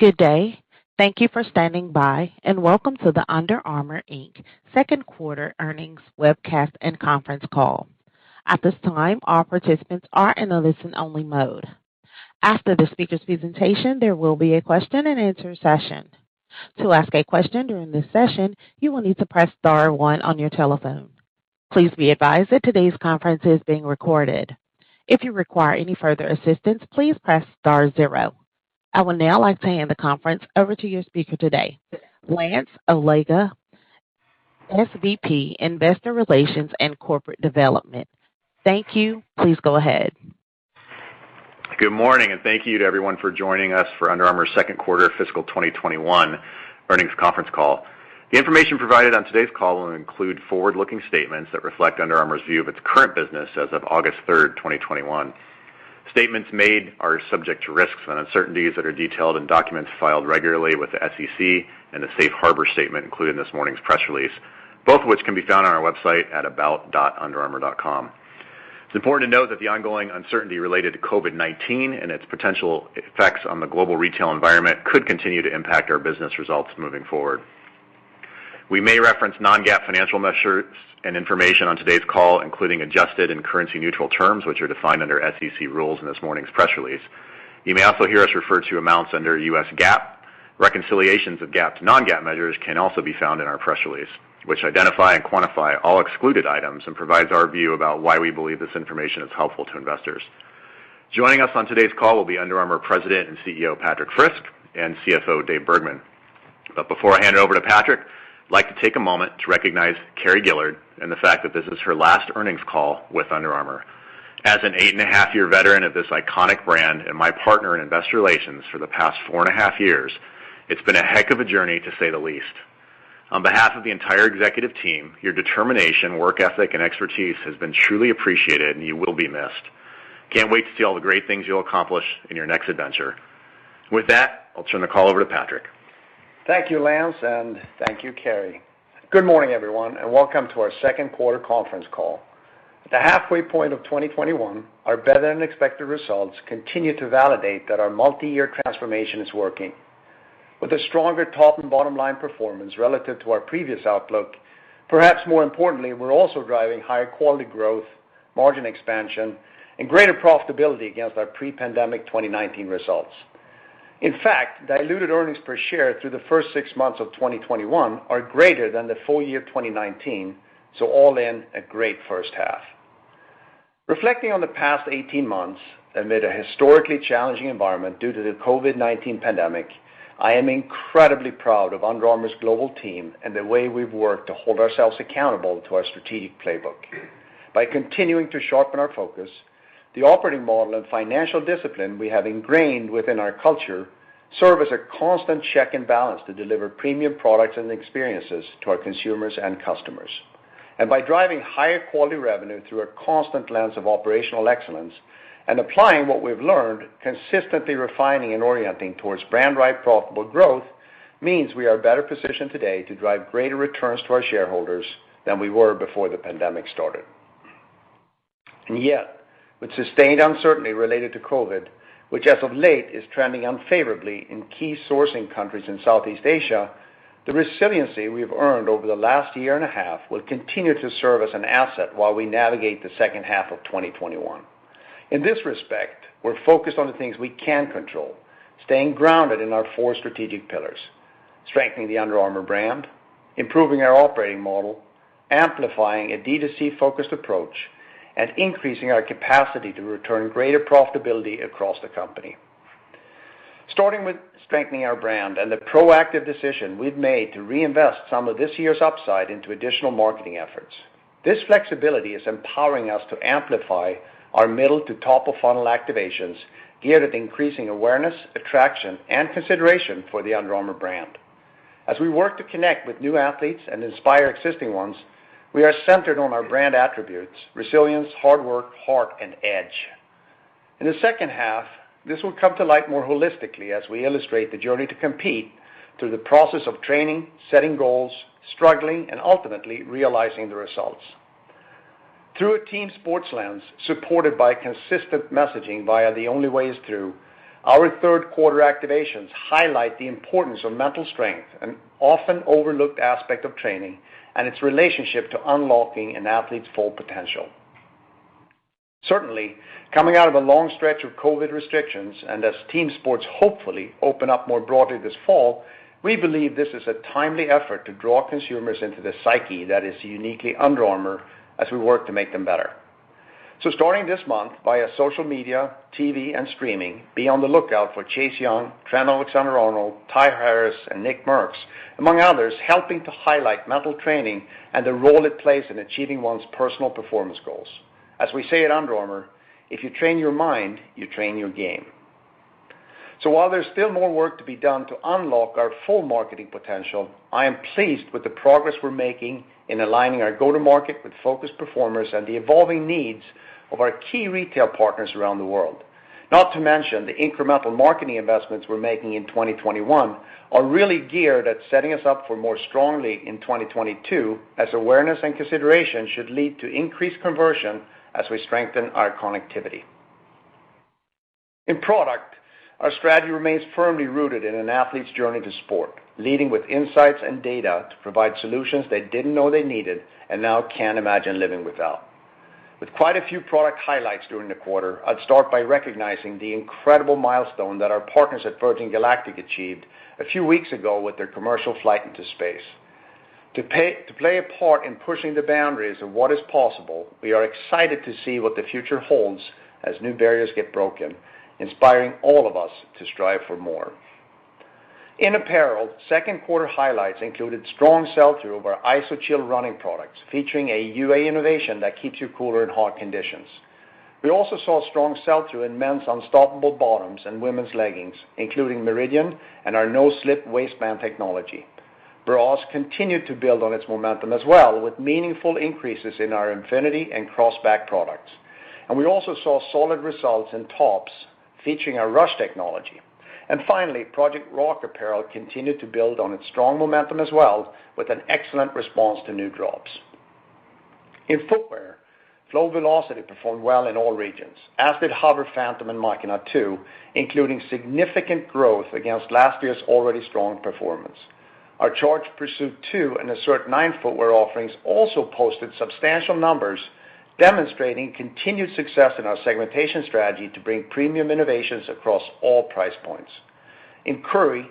Good day. Thank you for standing by, and welcome to the Under Armour, Inc. second quarter earnings webcast and conference call. At this time, all participants are in a listen-only mode. After the speaker's presentation, there will be a question-and-answer session. To ask a question during this session, you will need to press star 1 on your telephone. Please be advised that today's conference is being recorded. If you require any further assistance, please press star zero. I would now like to hand the conference over to your speaker today, Lance Allega, SVP, Investor Relations and Corporate Development. Thank you. Please go ahead. Good morning. Thank you to everyone for joining us for Under Armour's 2nd quarter fiscal 2021 earnings conference call. The information provided on today's call will include forward-looking statements that reflect Under Armour's view of its current business as of August 3rd, 2021. Statements made are subject to risks and uncertainties that are detailed in documents filed regularly with the SEC and the safe harbor statement included in this morning's press release, both of which can be found on our website at about.underarmour.com. It's important to note that the ongoing uncertainty related to COVID-19 and its potential effects on the global retail environment could continue to impact our business results moving forward. We may reference non-GAAP financial measures and information on today's call, including adjusted and currency-neutral terms, which are defined under SEC rules in this morning's press release. You may also hear us refer to amounts under U.S. GAAP. Reconciliations of GAAP to non-GAAP measures can also be found in our press release, which identify and quantify all excluded items and provides our view about why we believe this information is helpful to investors. Joining us on today's call will be Under Armour President and CEO, Patrik Frisk, and CFO, David Bergman. Before I hand it over to Patrik, I'd like to take a moment to recognize Carrie Gillard and the fact that this is her last earnings call with Under Armour. As an eight-and-a-half-year veteran of this iconic brand and my partner in investor relations for the past four and a half years, it's been a heck of a journey, to say the least. On behalf of the entire executive team, your determination, work ethic, and expertise has been truly appreciated, and you will be missed. Can't wait to see all the great things you'll accomplish in your next adventure. With that, I'll turn the call over to Patrik. Thank you, Lance, and thank you, Carrie. Good morning, everyone, and welcome to our second quarter conference call. At the halfway point of 2021, our better-than-expected results continue to validate that our multi-year transformation is working. With a stronger top and bottom-line performance relative to our previous outlook, perhaps more importantly, we are also driving higher quality growth, margin expansion, and greater profitability against our pre-pandemic 2019 results. In fact, diluted earnings per share through the first six months of 2021 are greater than the full year 2019, so all in, a great first half. Reflecting on the past 18 months amid a historically challenging environment due to the COVID-19 pandemic, I am incredibly proud of Under Armour's global team and the way we have worked to hold ourselves accountable to our strategic playbook. By continuing to sharpen our focus, the operating model and financial discipline we have ingrained within our culture serve as a constant check and balance to deliver premium products and experiences to our consumers and customers. By driving higher quality revenue through a constant lens of operational excellence and applying what we've learned, consistently refining and orienting towards brand right profitable growth means we are better positioned today to drive greater returns to our shareholders than we were before the pandemic started. Yet, with sustained uncertainty related to COVID-19, which as of late is trending unfavorably in key sourcing countries in Southeast Asia, the resiliency we've earned over the last year and a half will continue to serve as an asset while we navigate the second half of 2021. In this respect, we're focused on the things we can control, staying grounded in our four strategic pillars: strengthening the Under Armour brand, improving our operating model, amplifying a D2C-focused approach, and increasing our capacity to return greater profitability across the company. Starting with strengthening our brand and the proactive decision we've made to reinvest some of this year's upside into additional marketing efforts. This flexibility is empowering us to amplify our middle to top-of-funnel activations geared at increasing awareness, attraction, and consideration for the Under Armour brand. As we work to connect with new athletes and inspire existing ones, we are centered on our brand attributes, resilience, hard work, heart, and edge. In the second half, this will come to light more holistically as we illustrate the journey to compete through the process of training, setting goals, struggling, and ultimately realizing the results. Through a team sports lens, supported by consistent messaging via The Only Way Is Through, our third quarter activations highlight the importance of mental strength, an often overlooked aspect of training, and its relationship to unlocking an athlete's full potential. Certainly, coming out of a long stretch of COVID restrictions, and as team sports hopefully open up more broadly this fall, we believe this is a timely effort to draw consumers into the psyche that is uniquely Under Armour as we work to make them better. Starting this month, via social media, TV, and streaming, be on the lookout for Chase Young, Trent Alexander-Arnold, Tyasha Harris, and Nick Merks, among others, helping to highlight mental training and the role it plays in achieving one's personal performance goals. As we say at Under Armour, "If you train your mind, you train your game." While there's still more work to be done to unlock our full marketing potential, I am pleased with the progress we're making in aligning our go-to-market with focused performers and the evolving needs of our key retail partners around the world. Not to mention, the incremental marketing investments we're making in 2021 are really geared at setting us up for more strongly in 2022, as awareness and consideration should lead to increased conversion as we strengthen our connectivity. In product, our strategy remains firmly rooted in an athlete's journey to sport, leading with insights and data to provide solutions they didn't know they needed and now can't imagine living without. With quite a few product highlights during the quarter, I'd start by recognizing the incredible milestone that our partners at Virgin Galactic achieved a few weeks ago with their commercial flight into space. To play a part in pushing the boundaries of what is possible, we are excited to see what the future holds as new barriers get broken, inspiring all of us to strive for more. In apparel, second quarter highlights included strong sell-through of our Iso-Chill running products, featuring a UA innovation that keeps you cooler in hot conditions. We also saw strong sell-through in men's Unstoppable bottoms and women's leggings, including Meridian and our no-slip waistband technology. Bras continued to build on its momentum as well, with meaningful increases in our Infinity and cross-back products. We also saw solid results in tops featuring our Rush technology. Finally, Project Rock apparel continued to build on its strong momentum as well, with an excellent response to new drops. In footwear, Flow Velociti performed well in all regions, as did HOVR Phantom and Machina 2, including significant growth against last year's already strong performance. Our Charged Pursuit 2 and Assert 9 footwear offerings also posted substantial numbers, demonstrating continued success in our segmentation strategy to bring premium innovations across all price points. In Curry,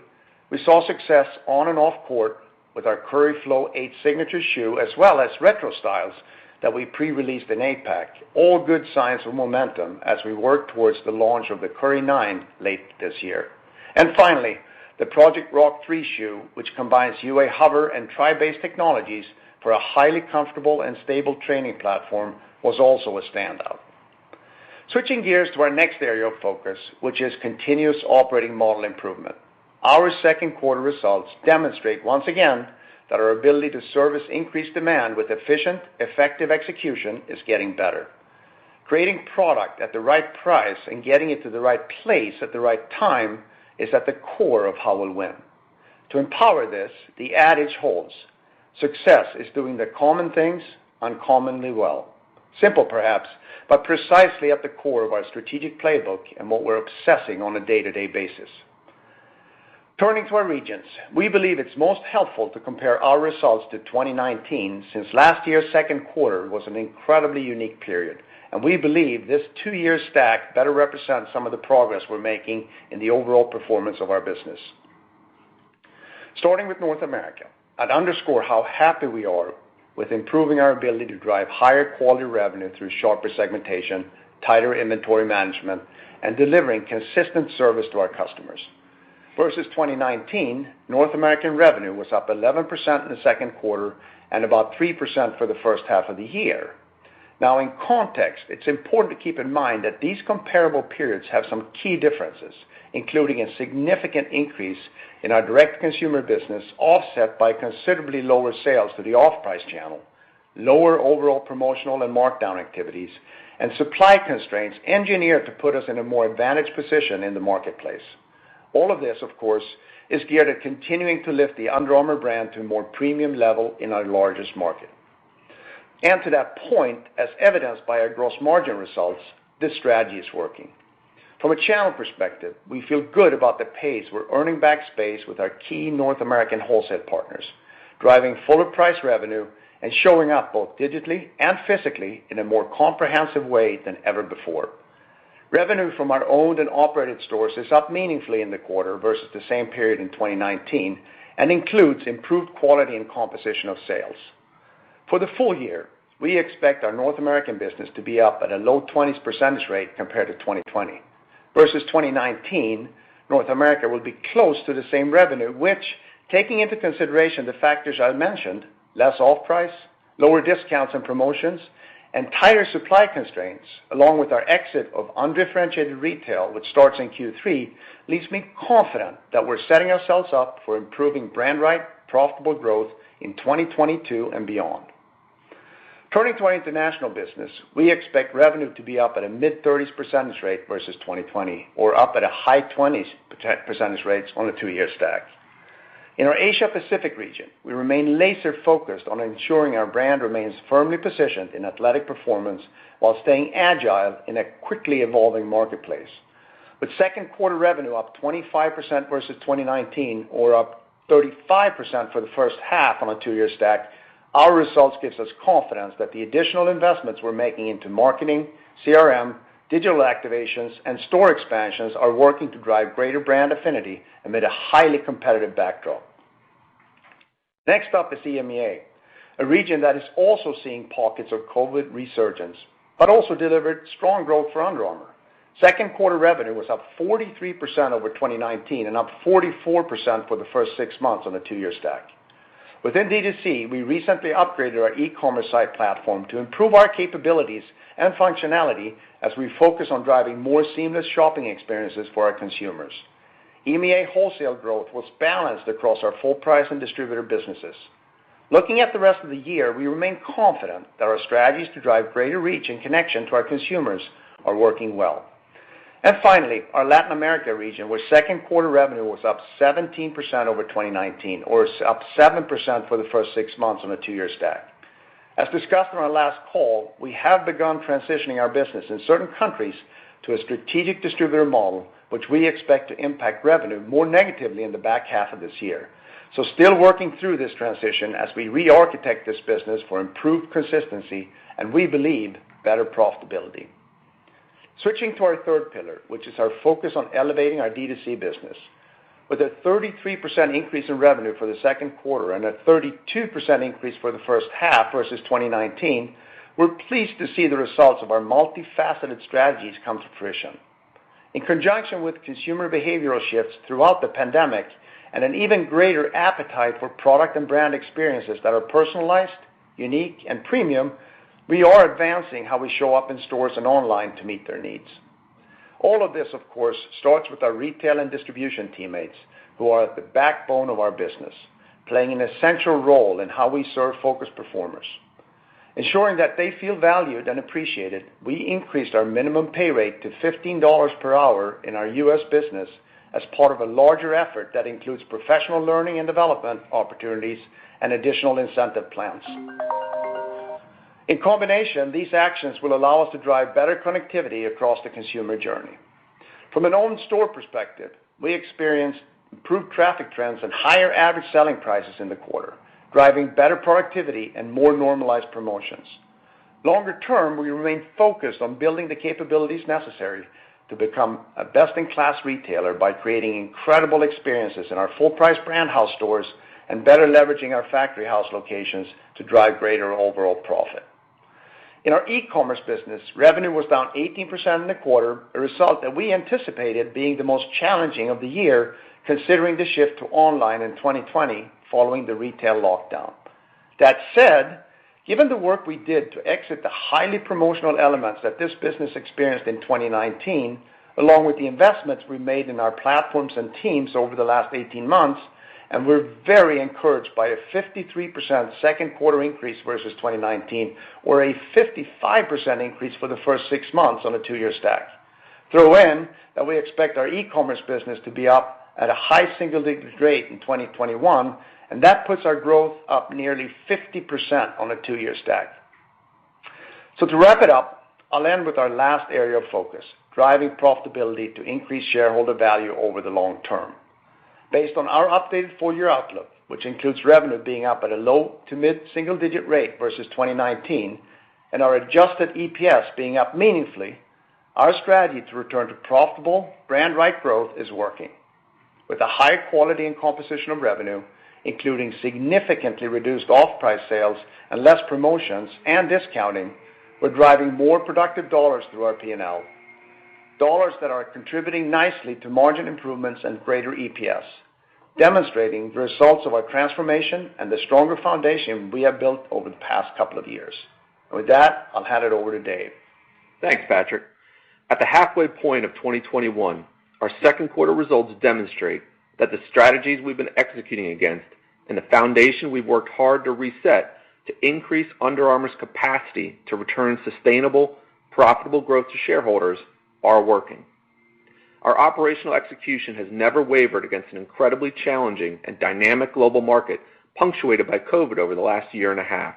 we saw success on and off court with our Curry Flow 8 signature shoe, as well as retro styles that we pre-released in APAC, all good signs for momentum as we work towards the launch of the Curry 9 late this year. Finally, the Project Rock 3 shoe, which combines UA HOVR and TriBase technologies for a highly comfortable and stable training platform, was also a standout. Switching gears to our next area of focus, which is continuous operating model improvement. Our second quarter results demonstrate once again that our ability to service increased demand with efficient, effective execution is getting better. Creating product at the right price and getting it to the right place at the right time is at the core of how we'll win. To empower this, the adage holds, success is doing the common things uncommonly well. Simple perhaps, but precisely at the core of our strategic playbook and what we're obsessing on a day-to-day basis. Turning to our regions, we believe it's most helpful to compare our results to 2019, since last year's second quarter was an incredibly unique period, and we believe this two-year stack better represents some of the progress we're making in the overall performance of our business. Starting with North America, I'd underscore how happy we are with improving our ability to drive higher quality revenue through sharper segmentation, tighter inventory management, and delivering consistent service to our customers. Versus 2019, North American revenue was up 11% in the second quarter and about 3% for the first half of the year. Now in context, it's important to keep in mind that these comparable periods have some key differences, including a significant increase in our direct-to-consumer business, offset by considerably lower sales to the off-price channel, lower overall promotional and markdown activities, and supply constraints engineered to put us in a more advantaged position in the marketplace. All of this, of course, is geared at continuing to lift the Under Armour brand to a more premium level in our largest market. To that point, as evidenced by our gross margin results, this strategy is working. From a channel perspective, we feel good about the pace we're earning back space with our key North American wholesale partners, driving fuller price revenue and showing up both digitally and physically in a more comprehensive way than ever before. Revenue from our owned and operated stores is up meaningfully in the quarter versus the same period in 2019 and includes improved quality and composition of sales. For the full year, we expect our North American business to be up at a low 20s percentage rate compared to 2020. Versus 2019, North America will be close to the same revenue, which, taking into consideration the factors I mentioned, less off-price, lower discounts and promotions, and tighter supply constraints, along with our exit of undifferentiated retail, which starts in Q3, leaves me confident that we're setting ourselves up for improving brand-right, profitable growth in 2022 and beyond. Turning to our international business, we expect revenue to be up at a mid-30s% rate versus 2020 or up at a high 20s% rates on a two-year stack. In our Asia Pacific region, we remain laser-focused on ensuring our brand remains firmly positioned in athletic performance while staying agile in a quickly evolving marketplace. With second quarter revenue up 25% versus 2019 or up 35% for the first half on a two-year stack, our results gives us confidence that the additional investments we're making into marketing, CRM, digital activations, and store expansions are working to drive greater brand affinity amid a highly competitive backdrop. Next up is EMEA, a region that is also seeing pockets of COVID-19 resurgence. Also delivered strong growth for Under Armour. Second quarter revenue was up 43% over 2019 and up 44% for the first six months on a two-year stack. Within D2C, we recently upgraded our e-commerce site platform to improve our capabilities and functionality as we focus on driving more seamless shopping experiences for our consumers. EMEA wholesale growth was balanced across our full price and distributor businesses. Looking at the rest of the year, we remain confident that our strategies to drive greater reach and connection to our consumers are working well. Finally, our Latin America region, where second quarter revenue was up 17% over 2019 or up 7% for the first six months on a two-year stack. Still working through this transition as we re-architect this business for improved consistency and we believe better profitability. Switching to our third pillar, which is our focus on elevating our D2C business. With a 33% increase in revenue for the second quarter and a 32% increase for the first half versus 2019, we are pleased to see the results of our multifaceted strategies come to fruition. In conjunction with consumer behavioral shifts throughout the pandemic and an even greater appetite for product and brand experiences that are personalized, unique, and premium, we are advancing how we show up in stores and online to meet their needs. All of this, of course, starts with our retail and distribution teammates, who are at the backbone of our business, playing an essential role in how we serve focused performers. Ensuring that they feel valued and appreciated, we increased our minimum pay rate to $15 per hour in our U.S. business as part of a larger effort that includes professional learning and development opportunities and additional incentive plans. In combination, these actions will allow us to drive better connectivity across the consumer journey. From an owned store perspective, we experienced improved traffic trends and higher average selling prices in the quarter, driving better productivity and more normalized promotions. Longer term, we remain focused on building the capabilities necessary to become a best-in-class retailer by creating incredible experiences in our full-price brand house stores and better leveraging our factory house locations to drive greater overall profit. In our e-commerce business, revenue was down 18% in the quarter, a result that we anticipated being the most challenging of the year, considering the shift to online in 2020 following the retail lockdown. That said, given the work we did to exit the highly promotional elements that this business experienced in 2019, along with the investments we made in our platforms and teams over the last 18 months, we're very encouraged by a 53% second quarter increase versus 2019 or a 55% increase for the first six months on a two-year stack. Throw in that we expect our e-commerce business to be up at a high single-digit rate in 2021, that puts our growth up nearly 50% on a two-year stack. To wrap it up, I'll end with our last area of focus, driving profitability to increase shareholder value over the long term. Based on our updated full-year outlook, which includes revenue being up at a low to mid single-digit rate versus 2019 and our adjusted EPS being up meaningfully, our strategy to return to profitable brand right growth is working. With a higher quality and composition of revenue, including significantly reduced off-price sales and less promotions and discounting, we're driving more productive dollars through our P&L. Dollars that are contributing nicely to margin improvements and greater EPS, demonstrating the results of our transformation and the stronger foundation we have built over the past two years. I'll hand it over to Dave Bergman. Thanks, Patrik. At the halfway point of 2021, our second quarter results demonstrate that the strategies we've been executing against and the foundation we've worked hard to reset to increase Under Armour's capacity to return sustainable, profitable growth to shareholders are working. Our operational execution has never wavered against an incredibly challenging and dynamic global market punctuated by COVID over the last year and a half.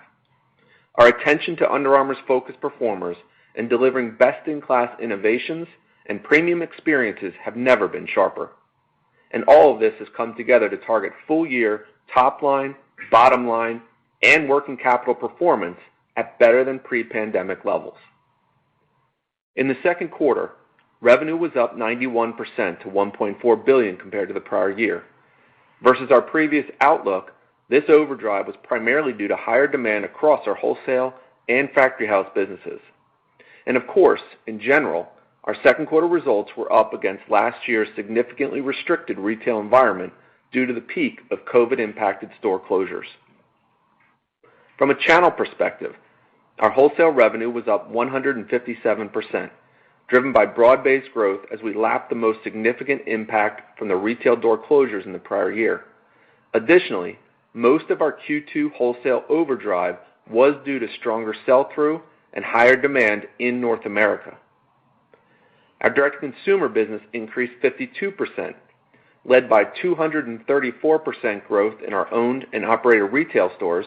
Our attention to Under Armour's Focused Performers and delivering best-in-class innovations and premium experiences have never been sharper. All of this has come together to target full-year top line, bottom line, and working capital performance at better than pre-pandemic levels. In the second quarter, revenue was up 91% to $1.4 billion compared to the prior year. Versus our previous outlook, this overdrive was primarily due to higher demand across our wholesale and factory house businesses. Of course, in general, our second quarter results were up against last year's significantly restricted retail environment due to the peak of COVID-impacted store closures. From a channel perspective, our wholesale revenue was up 157%, driven by broad-based growth as we lapped the most significant impact from the retail door closures in the prior year. Additionally, most of our Q2 wholesale overdrive was due to stronger sell-through and higher demand in North America. Our direct-to-consumer business increased 52%, led by 234% growth in our owned and operated retail stores,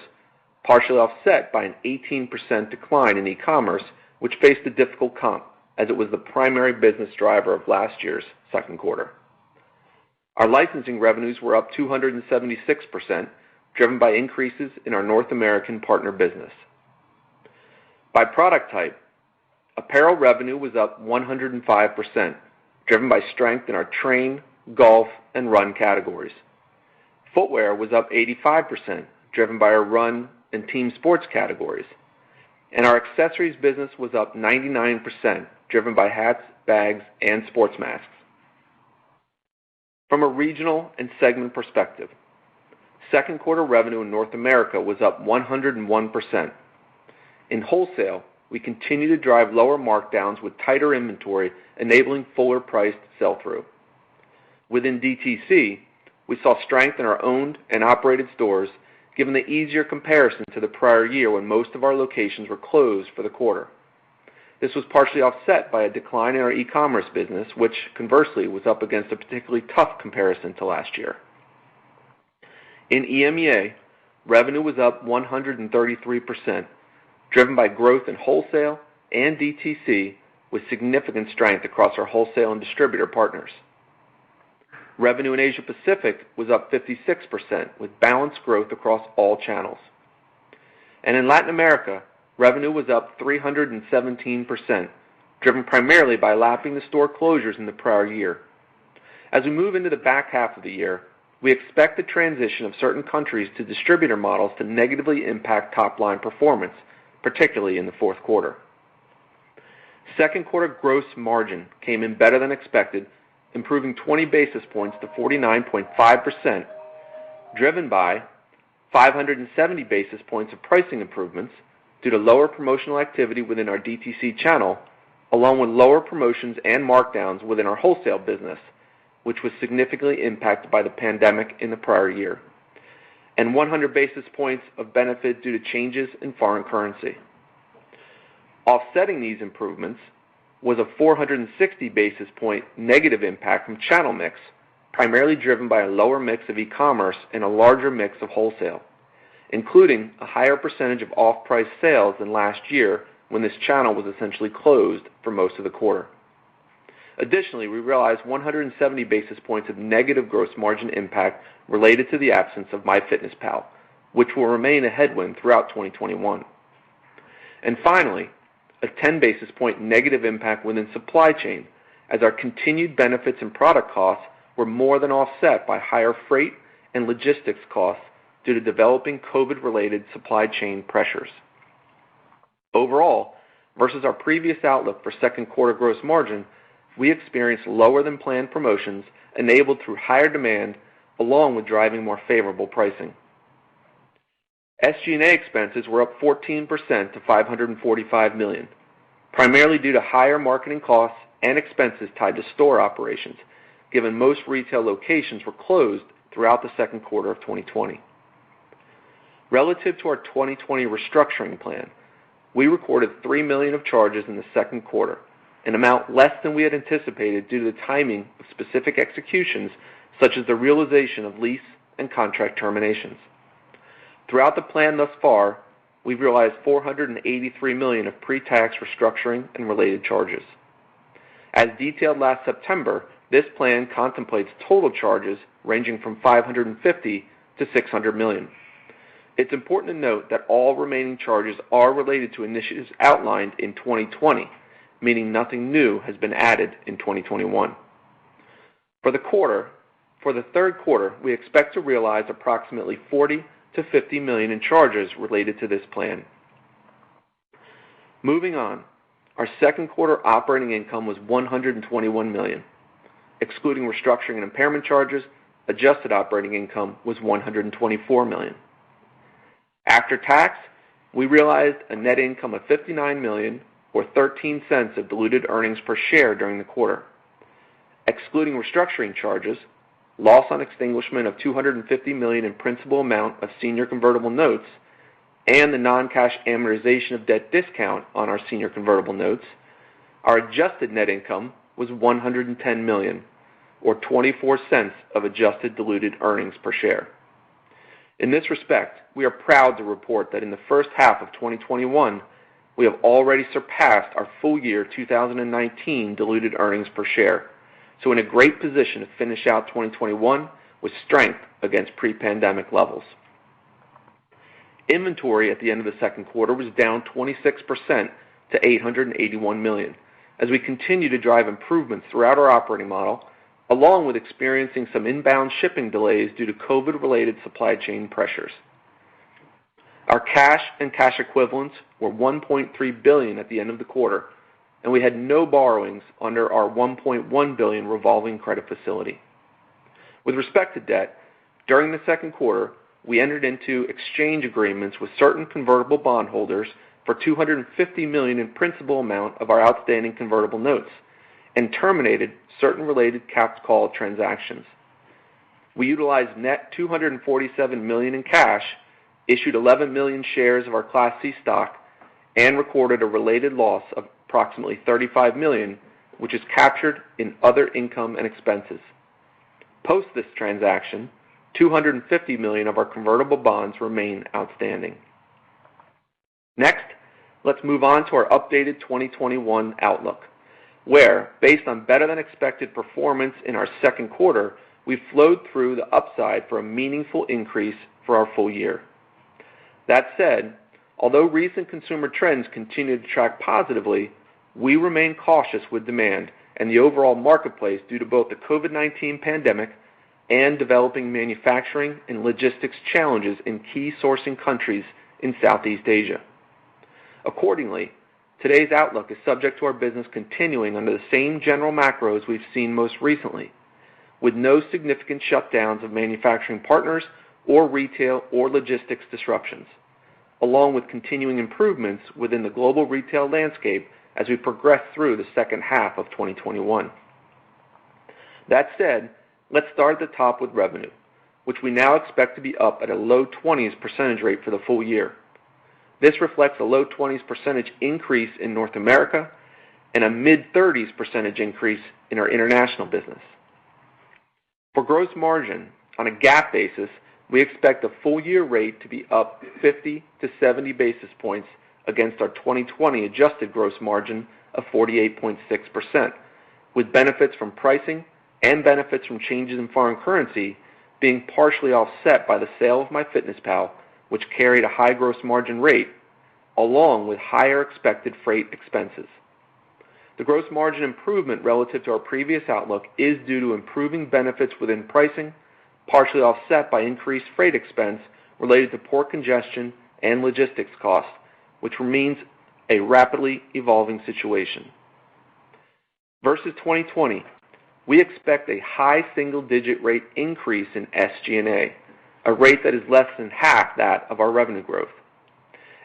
partially offset by an 18% decline in e-commerce, which faced a difficult comp, as it was the primary business driver of last year's second quarter. Our licensing revenues were up 276%, driven by increases in our North American partner business. By product type, apparel revenue was up 105%, driven by strength in our train, golf, and run categories. Footwear was up 85%, driven by our run and team sports categories. Our accessories business was up 99%, driven by hats, bags, and sports masks. From a regional and segment perspective, second quarter revenue in North America was up 101%. In wholesale, we continue to drive lower markdowns with tighter inventory, enabling fuller priced sell-through. Within DTC, we saw strength in our owned and operated stores, given the easier comparison to the prior year when most of our locations were closed for the quarter. This was partially offset by a decline in our e-commerce business, which conversely was up against a particularly tough comparison to last year. In EMEA, revenue was up 133%, driven by growth in wholesale and DTC, with significant strength across our wholesale and distributor partners. Revenue in Asia Pacific was up 56%, with balanced growth across all channels. In Latin America, revenue was up 317%, driven primarily by lapping the store closures in the prior year. As we move into the back half of the year, we expect the transition of certain countries to distributor models to negatively impact top-line performance, particularly in the fourth quarter. Second quarter gross margin came in better than expected, improving 20 basis points to 49.5%, driven by 570 basis points of pricing improvements due to lower promotional activity within our DTC channel, along with lower promotions and markdowns within our wholesale business, which was significantly impacted by the pandemic in the prior year, and 100 basis points of benefit due to changes in foreign currency. Offsetting these improvements was a 460 basis point negative impact from channel mix, primarily driven by a lower mix of e-commerce and a larger mix of wholesale, including a higher percentage of off-price sales than last year when this channel was essentially closed for most of the quarter. Additionally, we realized 170 basis points of negative gross margin impact related to the absence of MyFitnessPal, which will remain a headwind throughout 2021. Finally, a 10 basis point negative impact within supply chain as our continued benefits and product costs were more than offset by higher freight and logistics costs due to developing COVID-related supply chain pressures. Overall, versus our previous outlook for second quarter gross margin, we experienced lower-than-planned promotions enabled through higher demand along with driving more favorable pricing. SG&A expenses were up 14% to $545 million, primarily due to higher marketing costs and expenses tied to store operations, given most retail locations were closed throughout the second quarter of 2020. Relative to our 2020 restructuring plan, we recorded $3 million of charges in the second quarter, an amount less than we had anticipated due to the timing of specific executions such as the realization of lease and contract terminations. Throughout the plan thus far, we've realized $483 million of pre-tax restructuring and related charges. As detailed last September, this plan contemplates total charges ranging from $550 million-$600 million. It's important to note that all remaining charges are related to initiatives outlined in 2020, meaning nothing new has been added in 2021. For the third quarter, we expect to realize approximately $40 million-$50 million in charges related to this plan. Moving on, our second quarter operating income was $121 million. Excluding restructuring and impairment charges, adjusted operating income was $124 million. After tax, we realized a net income of $59 million or $0.13 of diluted earnings per share during the quarter. Excluding restructuring charges, loss on extinguishment of $250 million in principal amount of senior convertible notes, and the non-cash amortization of debt discount on our senior convertible notes, our adjusted net income was $110 million or $0.24 of adjusted diluted earnings per share. In this respect, we are proud to report that in the first half of 2021, we have already surpassed our full year 2019 diluted earnings per share. In a great position to finish out 2021 with strength against pre-pandemic levels. Inventory at the end of the second quarter was down 26% to $881 million as we continue to drive improvements throughout our operating model, along with experiencing some inbound shipping delays due to COVID-related supply chain pressures. Our cash and cash equivalents were $1.3 billion at the end of the quarter, and we had no borrowings under our $1.1 billion revolving credit facility. With respect to debt, during the second quarter, we entered into exchange agreements with certain convertible bondholders for $250 million in principal amount of our outstanding convertible notes and terminated certain related caps call transactions. We utilized net $247 million in cash, issued 11 million shares of our Class C stock, and recorded a related loss of approximately $35 million, which is captured in other income and expenses. Post this transaction, $250 million of our convertible bonds remain outstanding. Next, let's move on to our updated 2021 outlook, where, based on better-than-expected performance in our second quarter, we flowed through the upside for a meaningful increase for our full year. That said, although recent consumer trends continue to track positively, we remain cautious with demand and the overall marketplace due to both the COVID-19 pandemic and developing manufacturing and logistics challenges in key sourcing countries in Southeast Asia. Accordingly, today's outlook is subject to our business continuing under the same general macros we've seen most recently, with no significant shutdowns of manufacturing partners or retail or logistics disruptions, along with continuing improvements within the global retail landscape as we progress through the second half of 2021. That said, let's start at the top with revenue, which we now expect to be up at a low 20s % rate for the full year. This reflects a low 20s% increase in North America and a mid-30s% increase in our international business. For gross margin on a GAAP basis, we expect the full year rate to be up 50 to 70 basis points against our 2020 adjusted gross margin of 48.6%, with benefits from pricing and benefits from changes in foreign currency being partially offset by the sale of MyFitnessPal, which carried a high gross margin rate, along with higher expected freight expenses. The gross margin improvement relative to our previous outlook is due to improving benefits within pricing, partially offset by increased freight expense related to port congestion and logistics costs, which remains a rapidly evolving situation. Versus 2020, we expect a high single-digit rate increase in SG&A, a rate that is less than half that of our revenue growth.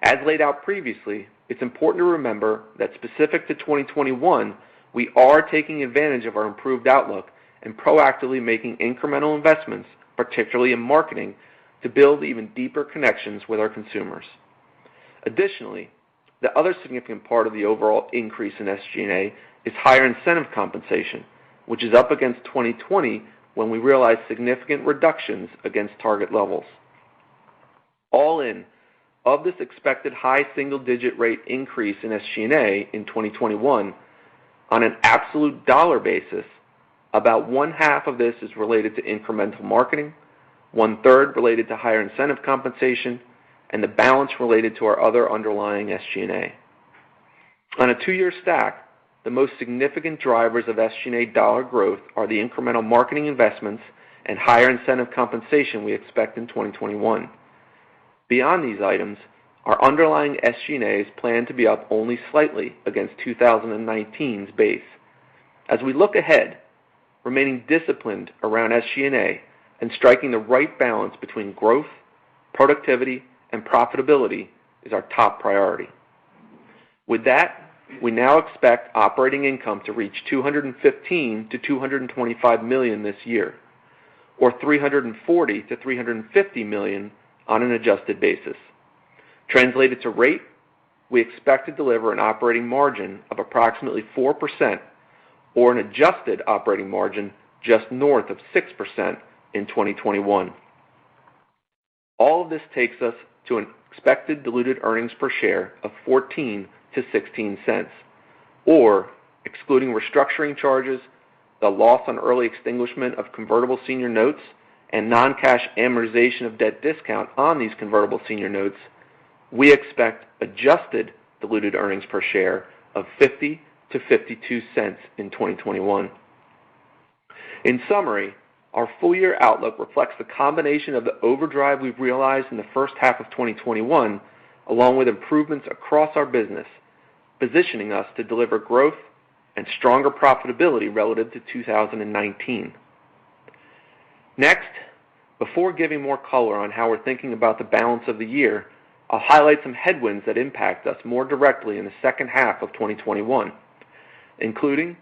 As laid out previously, it's important to remember that specific to 2021, we are taking advantage of our improved outlook and proactively making incremental investments, particularly in marketing, to build even deeper connections with our consumers. The other significant part of the overall increase in SG&A is higher incentive compensation, which is up against 2020 when we realized significant reductions against target levels. All in, of this expected high single-digit rate increase in SG&A in 2021, on an absolute dollar basis, about one half of this is related to incremental marketing, one-third related to higher incentive compensation, and the balance related to our other underlying SG&A. On a two-year stack, the most significant drivers of SG&A dollar growth are the incremental marketing investments and higher incentive compensation we expect in 2021. Beyond these items, our underlying SG&A is planned to be up only slightly against 2019's base. As we look ahead, remaining disciplined around SG&A and striking the right balance between growth, productivity, and profitability is our top priority. With that, we now expect operating income to reach $215 million-$225 million this year, or $340 million-$350 million on an adjusted basis. Translated to rate, we expect to deliver an operating margin of approximately 4% or an adjusted operating margin just north of 6% in 2021. All of this takes us to an expected diluted earnings per share of $0.14-$0.16, or excluding restructuring charges, the loss on early extinguishment of convertible senior notes, and non-cash amortization of debt discount on these convertible senior notes, we expect adjusted diluted earnings per share of $0.50-$0.52 in 2021. In summary, our full-year outlook reflects the combination of the overdrive we've realized in the first half of 2021, along with improvements across our business, positioning us to deliver growth and stronger profitability relative to 2019. Next, before giving more color on how we're thinking about the balance of the year, I'll highlight some headwinds that impact us more directly in the second half of 2021, including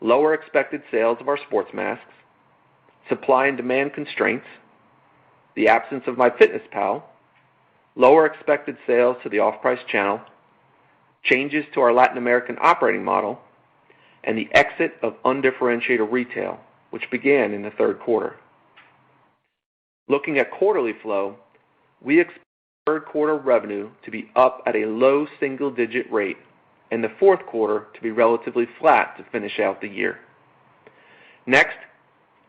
lower expected sales of our sports masks, supply and demand constraints, the absence of MyFitnessPal, lower expected sales to the off-price channel, changes to our Latin American operating model, and the exit of undifferentiated retail, which began in the third quarter. Looking at quarterly flow, we expect third quarter revenue to be up at a low single-digit rate and the fourth quarter to be relatively flat to finish out the year.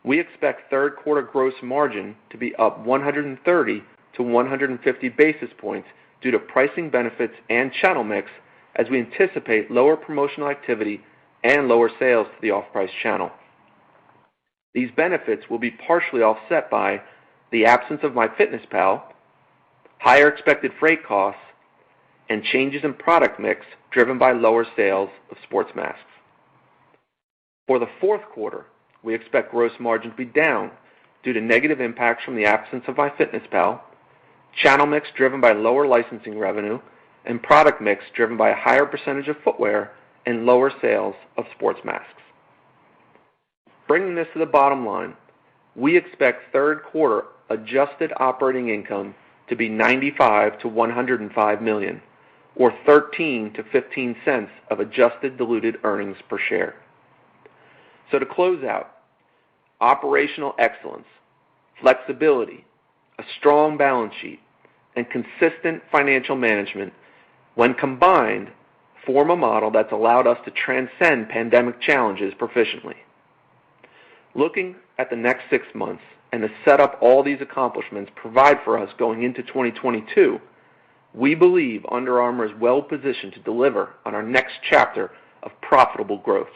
We expect third quarter gross margin to be up 130-150 basis points due to pricing benefits and channel mix, as we anticipate lower promotional activity and lower sales to the off-price channel. These benefits will be partially offset by the absence of MyFitnessPal, higher expected freight costs, and changes in product mix driven by lower sales of sports masks. For the fourth quarter, we expect gross margin to be down due to negative impacts from the absence of MyFitnessPal, channel mix driven by lower licensing revenue, and product mix driven by a higher percentage of footwear and lower sales of sports masks. Bringing this to the bottom line, we expect third quarter adjusted operating income to be $95 million-$105 million or $0.13-$0.15 of adjusted diluted earnings per share. To close out, operational excellence, flexibility, a strong balance sheet, and consistent financial management, when combined, form a model that's allowed us to transcend pandemic challenges proficiently. Looking at the next six months and the setup all these accomplishments provide for us going into 2022, we believe Under Armour is well positioned to deliver on our next chapter of profitable growth.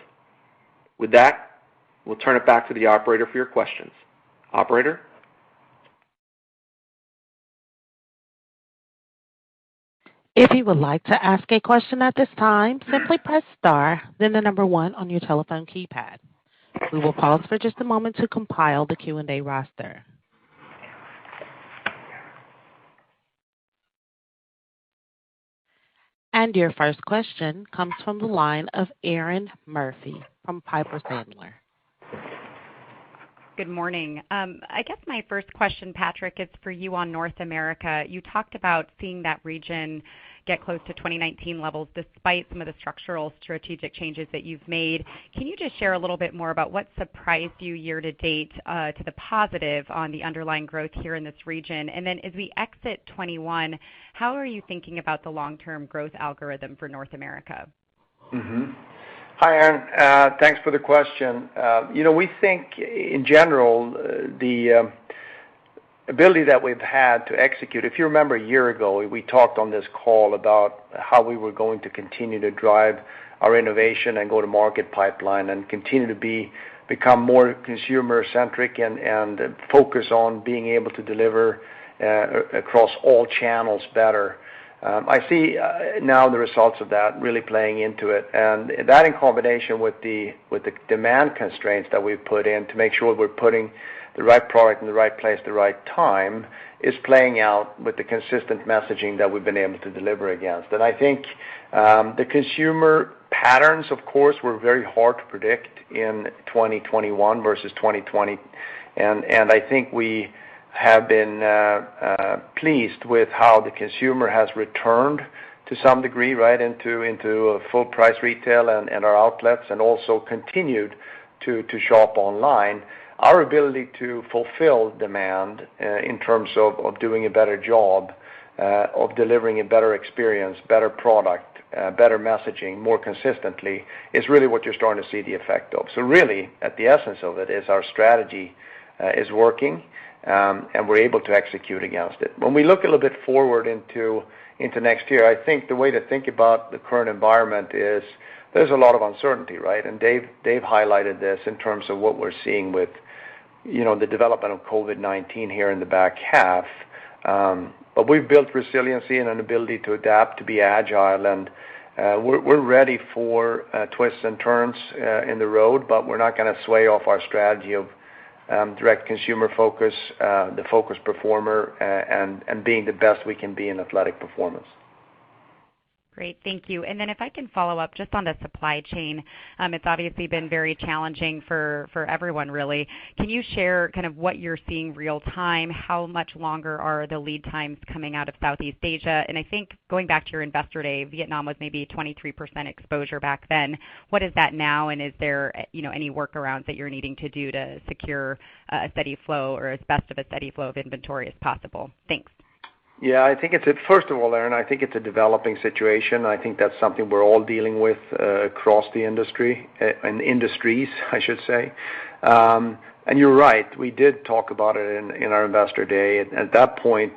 With that, we'll turn it back to the operator for your questions. Operator? If you would like to ask a question at this time, simply press star then number one on your telephone keypad. We will pause for just a moment to compile the Q&A roster. Your 1st question comes from the line of Erinn Murphy from Piper Sandler. Good morning. I guess my first question, Patrik, is for you on North America. You talked about seeing that region get close to 2019 levels despite some of the structural strategic changes that you've made. Can you just share a little bit more about what surprised you year-to-date, to the positive on the underlying growth here in this region? As we exit 2021, how are you thinking about the long-term growth algorithm for North America? Hi, Erinn. Thanks for the question. We think, in general, the ability that we've had to execute. If you remember a year ago, we talked on this call about how we were going to continue to drive our innovation and go-to-market pipeline, and continue to become more consumer-centric and focus on being able to deliver across all channels better. I see now the results of that really playing into it. That, in combination with the demand constraints that we've put in to make sure we're putting the right product in the right place at the right time, is playing out with the consistent messaging that we've been able to deliver against. I think the consumer patterns, of course, were very hard to predict in 2021 versus 2020, and I think we have been pleased with how the consumer has returned to some degree into full-price retail and our outlets, and also continued to shop online. Our ability to fulfill demand in terms of doing a better job, of delivering a better experience, better product, better messaging, more consistently, is really what you're starting to see the effect of. Really, at the essence of it is our strategy is working, and we're able to execute against it. When we look a little bit forward into next year, I think the way to think about the current environment is there's a lot of uncertainty, right? Dave highlighted this in terms of what we're seeing with the development of COVID-19 here in the back half. We've built resiliency and an ability to adapt, to be agile, and we're ready for twists and turns in the road. We're not going to sway off our strategy of direct consumer focus, the Focused Performer, and being the best we can be in athletic performance. Great. Thank you. Then if I can follow up just on the supply chain. It's obviously been very challenging for everyone, really. Can you share what you're seeing real-time? How much longer are the lead times coming out of Southeast Asia? I think going back to your Investor Day, Vietnam was maybe a 23% exposure back then. What is that now, and is there any workarounds that you're needing to do to secure a steady flow or as best of a steady flow of inventory as possible? Thanks. Yeah. First of all, Erinn, I think it's a developing situation. I think that's something we're all dealing with across the industry. In industries, I should say. You're right, we did talk about it in our Investor Day. At that point,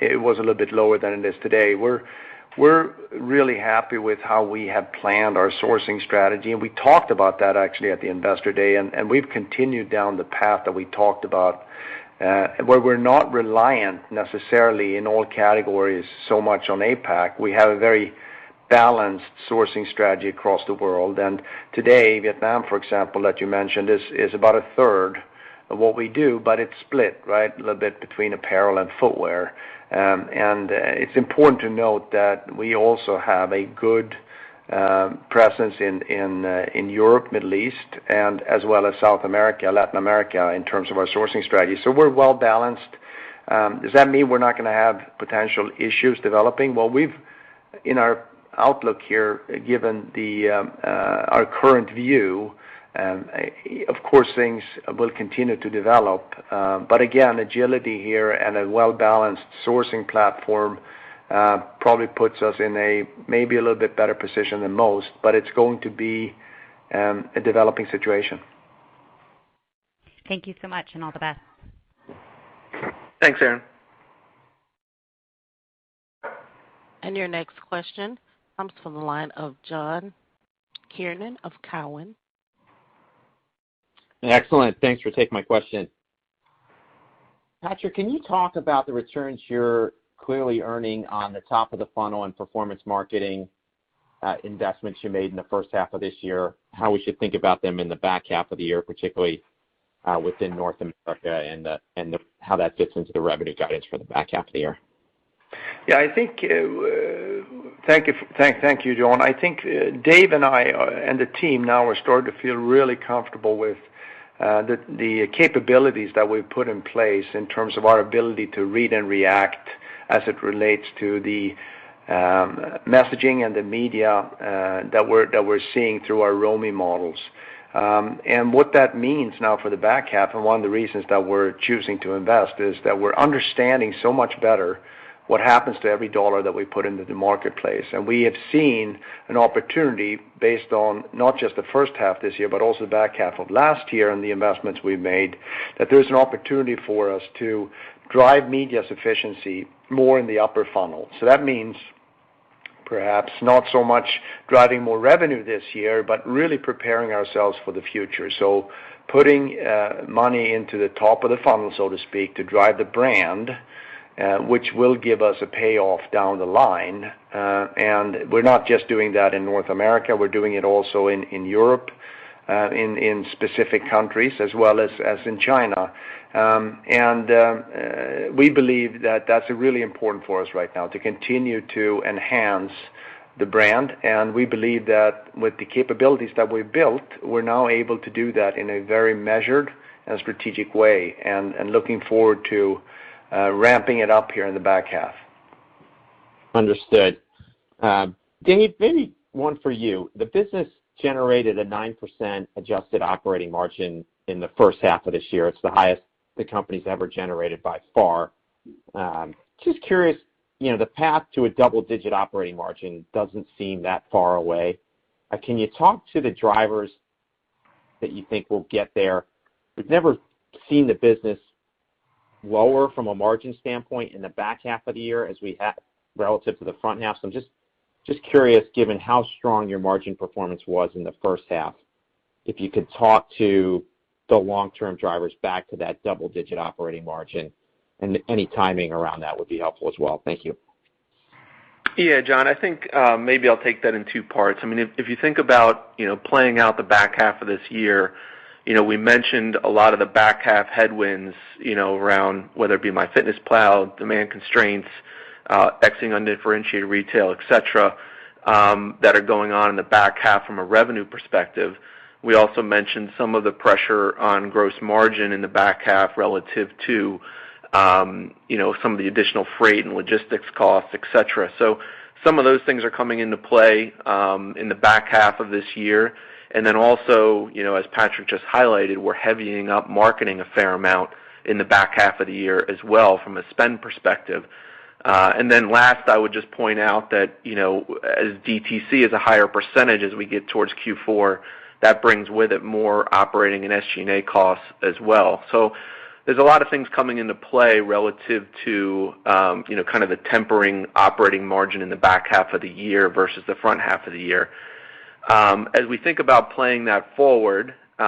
it was a little bit lower than it is today. We're really happy with how we have planned our sourcing strategy, and we talked about that actually at the Investor Day, and we've continued down the path that we talked about, where we're not reliant necessarily in all categories so much on APAC. We have a very balanced sourcing strategy across the world. Today, Vietnam, for example, that you mentioned, is about a third of what we do, but it's split a little bit between apparel and footwear. It's important to note that we also have a good presence in Europe, Middle East, and as well as South America, Latin America, in terms of our sourcing strategy. We're well-balanced. Does that mean we're not going to have potential issues developing? Well, in our outlook here, given our current view, of course things will continue to develop. Again, agility here and a well-balanced sourcing platform probably puts us in maybe a little bit better position than most. It's going to be a developing situation. Thank you so much, and all the best. Thanks, Erinn. Your next question comes from the line of John Kernan of Cowen. Excellent. Thanks for taking my question. Patrik, can you talk about the returns you're clearly earning on the top of the funnel and performance marketing investments you made in the first half of this year, how we should think about them in the back half of the year, particularly within North America, and how that fits into the revenue guidance for the back half of the year? Yeah. Thank you, John. I think Dave and I and the team now are starting to feel really comfortable with the capabilities that we've put in place in terms of our ability to read and react as it relates to the messaging and the media that we're seeing through our ROMI models. What that means now for the back half, one of the reasons that we're choosing to invest, is that we're understanding so much better what happens to every dollar that we put into the marketplace. We have seen an opportunity based on not just the first half this year, but also the back half of last year and the investments we've made, that there's an opportunity for us to drive media's efficiency more in the upper funnel. That means perhaps not so much driving more revenue this year, but really preparing ourselves for the future. Putting money into the top of the funnel, so to speak, to drive the brand, which will give us a payoff down the line. We're not just doing that in North America, we're doing it also in Europe in specific countries as well as in China. We believe that's really important for us right now, to continue to enhance the brand. We believe that with the capabilities that we've built, we're now able to do that in a very measured and strategic way, and looking forward to ramping it up here in the back half. Understood. Dave, maybe one for you. The business generated a 9% adjusted operating margin in the first half of this year. It's the highest the company's ever generated by far. Just curious, the path to a double-digit operating margin doesn't seem that far away. Can you talk to the drivers that you think will get there? We've never seen the business lower from a margin standpoint in the back half of the year relative to the front half. I'm just curious, given how strong your margin performance was in the first half, if you could talk to the long-term drivers back to that double-digit operating margin, and any timing around that would be helpful as well. Thank you. John, I think maybe I'll take that in two parts. If you think about playing out the back half of this year, we mentioned a lot of the back half headwinds around whether it be MyFitnessPal, demand constraints, exing undifferentiated retail, et cetera, that are going on in the back half from a revenue perspective. We also mentioned some of the pressure on gross margin in the back half relative to some of the additional freight and logistics costs, et cetera. Some of those things are coming into play in the back half of this year. Then also, as Patrik just highlighted, we're heavying up marketing a fair amount in the back half of the year as well from a spend perspective. Last, I would just point out that as DTC is a higher percentage as we get towards Q4, that brings with it more operating and SG&A costs as well. There's a lot of things coming into play relative to the tempering operating margin in the back half of the year versus the front half of the year. As we think about playing that forward, we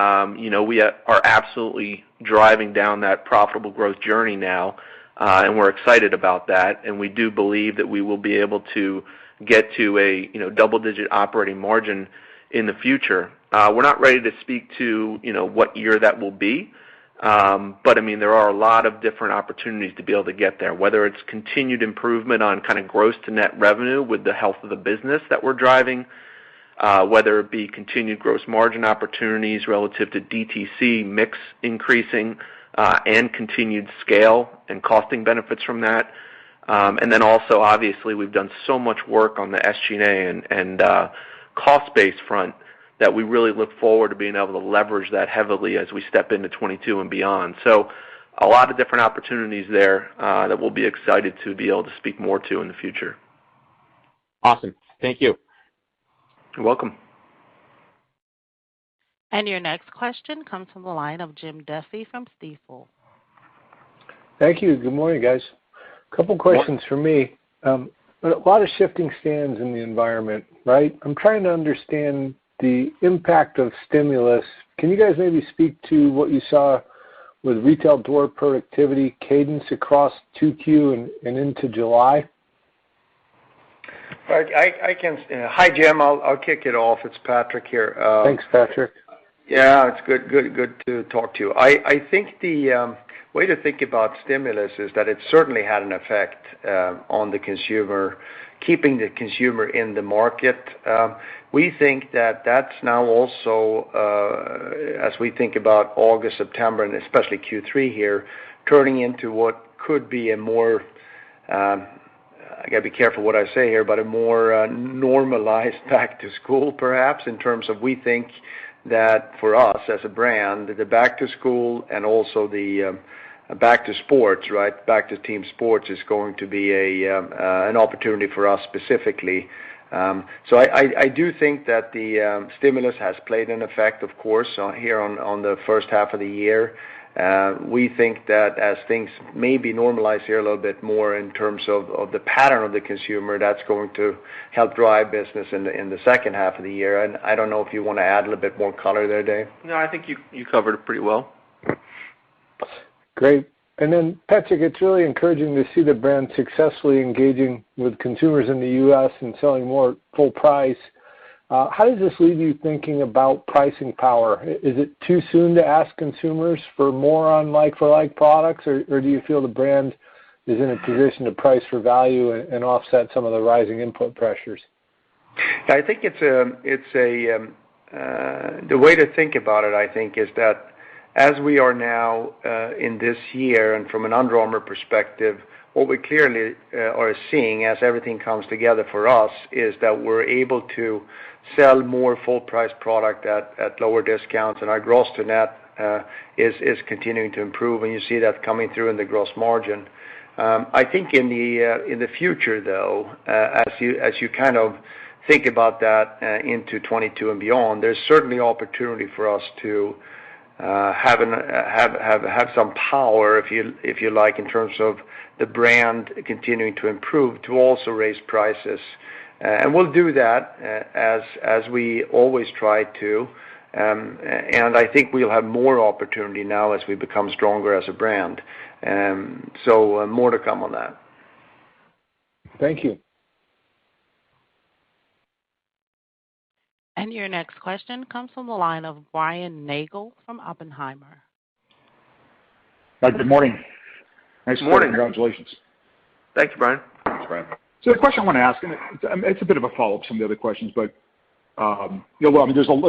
are absolutely driving down that profitable growth journey now, and we're excited about that, and we do believe that we will be able to get to a double-digit operating margin in the future. We're not ready to speak to what year that will be. There are a lot of different opportunities to be able to get there, whether it's continued improvement on gross to net revenue with the health of the business that we're driving, whether it be continued gross margin opportunities relative to DTC mix increasing, and continued scale and costing benefits from that. Obviously, we've done so much work on the SG&A and cost base front that we really look forward to being able to leverage that heavily as we step into 2022 and beyond. A lot of different opportunities there that we'll be excited to be able to speak more to in the future. Awesome. Thank you. You're welcome. Your next question comes from the line of Jim Duffy from Stifel. Thank you. Good morning, guys. Couple questions from me. A lot of shifting stands in the environment, right? I'm trying to understand the impact of stimulus. Can you guys maybe speak to what you saw with retail door productivity cadence across 2Q and into July? Hi, Jim. I'll kick it off. It's Patrik here. Thanks, Patrik. Yeah. It's good to talk to you. I think the way to think about stimulus is that it certainly had an effect on the consumer, keeping the consumer in the market. We think that that's now also, as we think about August, September, and especially Q3 here, turning into what could be a more, I got to be careful what I say here, but a more normalized back to school, perhaps, in terms of we think that for us, as a brand, the back to school and also the back to sports, back to team sports is going to be an opportunity for us specifically. I do think that the stimulus has played an effect, of course, here on the first half of the year. We think that as things maybe normalize here a little bit more in terms of the pattern of the consumer, that's going to help drive business in the second half of the year. I don't know if you want to add a little bit more color there, Dave. No, I think you covered it pretty well. Great. Patrik, it's really encouraging to see the brand successfully engaging with consumers in the U.S. and selling more full price. How does this leave you thinking about pricing power? Is it too soon to ask consumers for more on like-for-like products, or do you feel the brand is in a position to price for value and offset some of the rising input pressures? The way to think about it, I think, is that as we are now in this year, and from an Under Armour perspective, what we clearly are seeing as everything comes together for us is that we're able to sell more full price product at lower discounts, and our gross to net is continuing to improve, and you see that coming through in the gross margin. I think in the future, though, as you think about that into 2022 and beyond, there's certainly opportunity for us to have some power, if you like, in terms of the brand continuing to improve, to also raise prices. We'll do that as we always try to, and I think we'll have more opportunity now as we become stronger as a brand. More to come on that. Thank you. Your next question comes from the line of Brian Nagel from Oppenheimer. Good morning. Good morning. Nice quarter. Congratulations. Thanks, Brian. The question I want to ask, and it's a bit of a follow-up to some of the other questions, but there's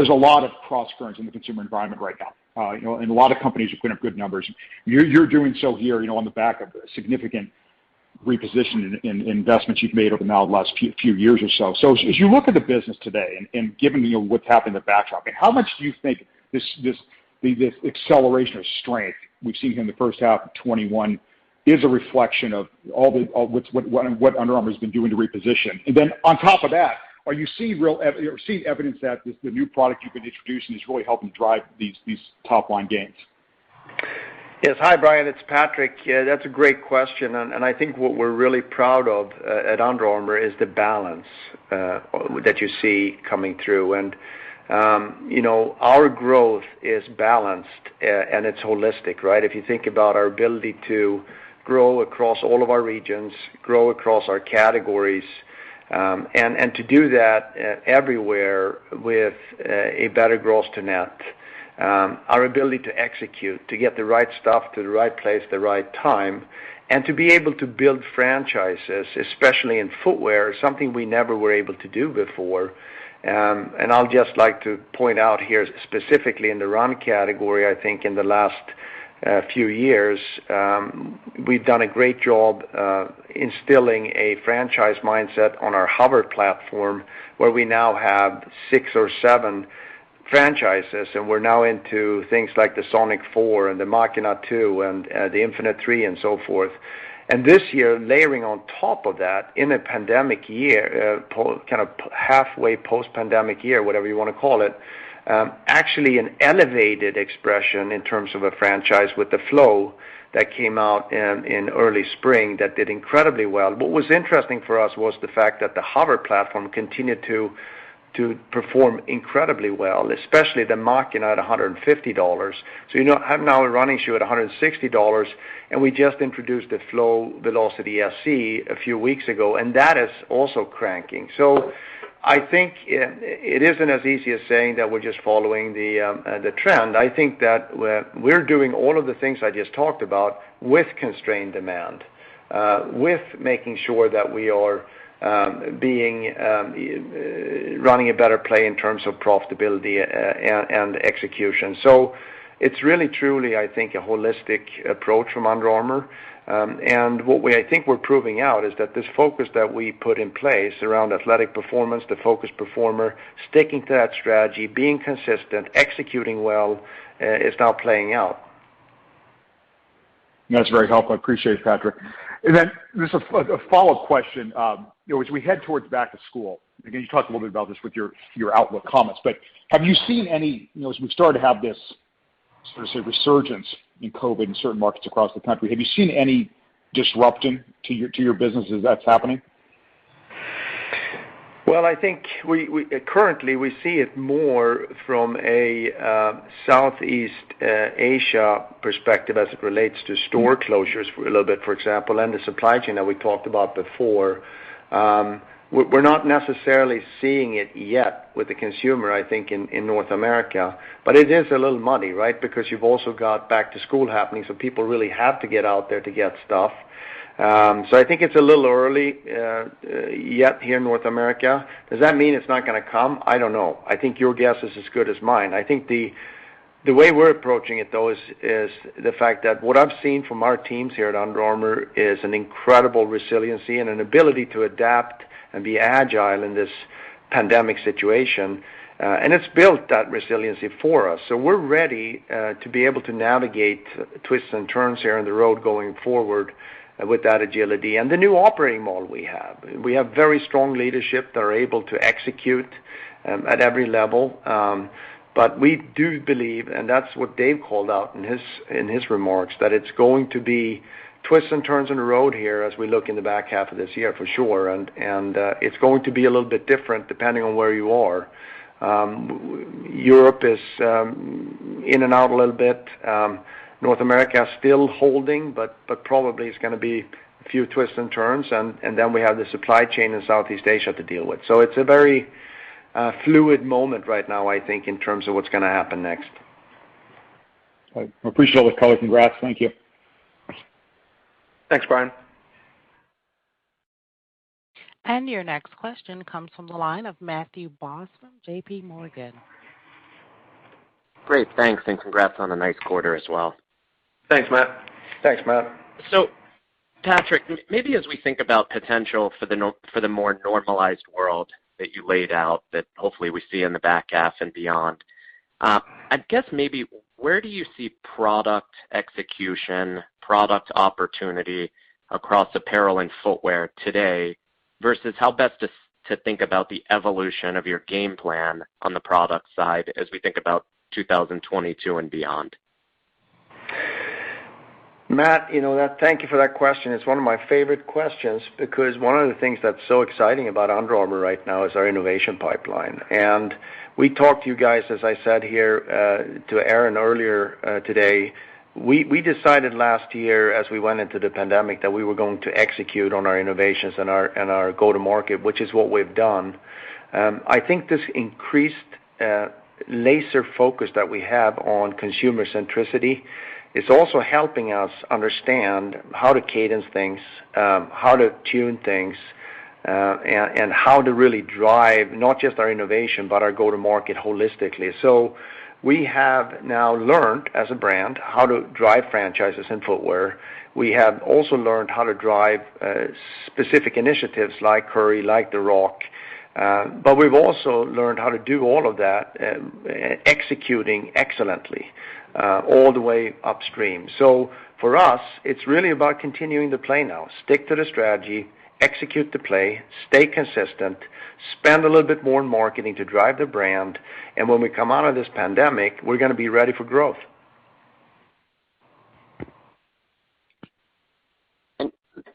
a lot of cross currents in the consumer environment right now. A lot of companies are putting up good numbers. You're doing so here on the back of a significant repositioning in investments you've made over now the last few years or so. As you look at the business today and given what's happened in the backdrop, how much do you think this acceleration or strength we've seen here in the first half of 2021 is a reflection of all what Under Armour's been doing to reposition? Then on top of that, are you seeing evidence that this, the new product you've been introducing, is really helping drive these top-line gains? Yes. Hi, Brian. It's Patrik. That's a great question. I think what we're really proud of at Under Armour is the balance that you see coming through. Our growth is balanced, and it's holistic, right? If you think about our ability to grow across all of our regions, grow across our categories, and to do that everywhere with a better gross to net. Our ability to execute, to get the right stuff to the right place at the right time, and to be able to build franchises, especially in footwear, something we never were able to do before. I'll just like to point out here, specifically in the run category, I think in the last few years, we've done a great job instilling a franchise mindset on our HOVR platform, where we now have six or seven franchises, and we're now into things like the Sonic 4 and the Machina 2 and the Infinite 3 and so forth. This year, layering on top of that, in a pandemic year, kind of halfway post-pandemic year, whatever you want to call it, actually an elevated expression in terms of a franchise with the Flow that came out in early spring that did incredibly well. What was interesting for us was the fact that the HOVR platform continued to perform incredibly well, especially the Machina at $150. You now have now a running shoe at $160, and we just introduced the Flow Velociti SE a few weeks ago, and that is also cranking. I think it isn't as easy as saying that we're just following the trend. I think that we're doing all of the things I just talked about with constrained demand, with making sure that we are running a better play in terms of profitability and execution. It's really, truly, I think, a holistic approach from Under Armour. What I think we're proving out is that this focus that we put in place around athletic performance, the Focused Performer, sticking to that strategy, being consistent, executing well, is now playing out. That's very helpful. I appreciate it, Patrik. Just a follow-up question. As we head towards back to school, again, you talked a little bit about this with your outlook comments, but have you seen any, as we've started to have this, sort of say, resurgence in COVID in certain markets across the country, have you seen any disrupting to your business as that's happening? Well, I think currently, we see it more from a Southeast Asia perspective as it relates to store closures a little bit, for example, and the supply chain that we talked about before. We're not necessarily seeing it yet with the consumer, I think, in North America. It is a little muddy, right? You've also got back to school happening, people really have to get out there to get stuff. I think it's a little early yet here in North America. Does that mean it's not gonna come? I don't know. I think your guess is as good as mine. I think the way we're approaching it, though, is the fact that what I've seen from our teams here at Under Armour is an incredible resiliency and an ability to adapt and be agile in this pandemic situation. It's built that resiliency for us. We're ready to be able to navigate twists and turns here on the road going forward with that agility and the new operating model we have. We have very strong leadership that are able to execute at every level. We do believe, and that's what Dave called out in his remarks, that it's going to be twists and turns in the road here as we look in the back half of this year for sure, and it's going to be a little bit different depending on where you are. Europe is in and out a little bit. North America is still holding, but probably it's going to be a few twists and turns, and then we have the supply chain in Southeast Asia to deal with. It's a very fluid moment right now, I think, in terms of what's going to happen next. I appreciate all the color. Congrats. Thank you. Thanks, Brian. Your next question comes from the line of Matthew Boss from JPMorgan. Great. Thanks, and congrats on a nice quarter as well. Thanks, Matt. Thanks, Matt. Patrik, maybe as we think about potential for the more normalized world that you laid out that hopefully we see in the back half and beyond. I guess maybe where do you see product execution, product opportunity across apparel and footwear today versus how best to think about the evolution of your game plan on the product side as we think about 2022 and beyond? Matthew, thank you for that question. It's one of my favorite questions because one of the things that's so exciting about Under Armour right now is our innovation pipeline. We talked to you guys, as I said here to Erin earlier today, we decided last year as we went into the pandemic that we were going to execute on our innovations and our go-to-market, which is what we've done. I think this increased laser focus that we have on consumer centricity is also helping us understand how to cadence things, how to tune things, and how to really drive not just our innovation, but our go-to-market holistically. We have now learned as a brand how to drive franchises in footwear. We have also learned how to drive specific initiatives like Curry, like The Rock, but we've also learned how to do all of that, executing excellently all the way upstream. For us, it's really about continuing to play now, stick to the strategy, execute the play, stay consistent, spend a little bit more on marketing to drive the brand, and when we come out of this pandemic, we're going to be ready for growth.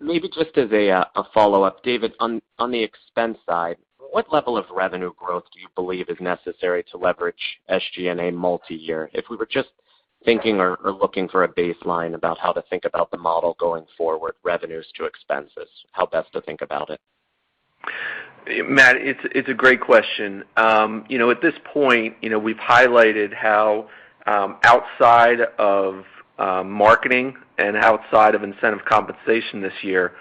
Maybe just as a follow-up, David, on the expense side, what level of revenue growth do you believe is necessary to leverage SG&A multi-year? If we were just thinking or looking for a baseline about how to think about the model going forward, revenues to expenses, how best to think about it. Matt, it's a great question. At this point, we've highlighted how outside of marketing and outside of incentive compensation this year,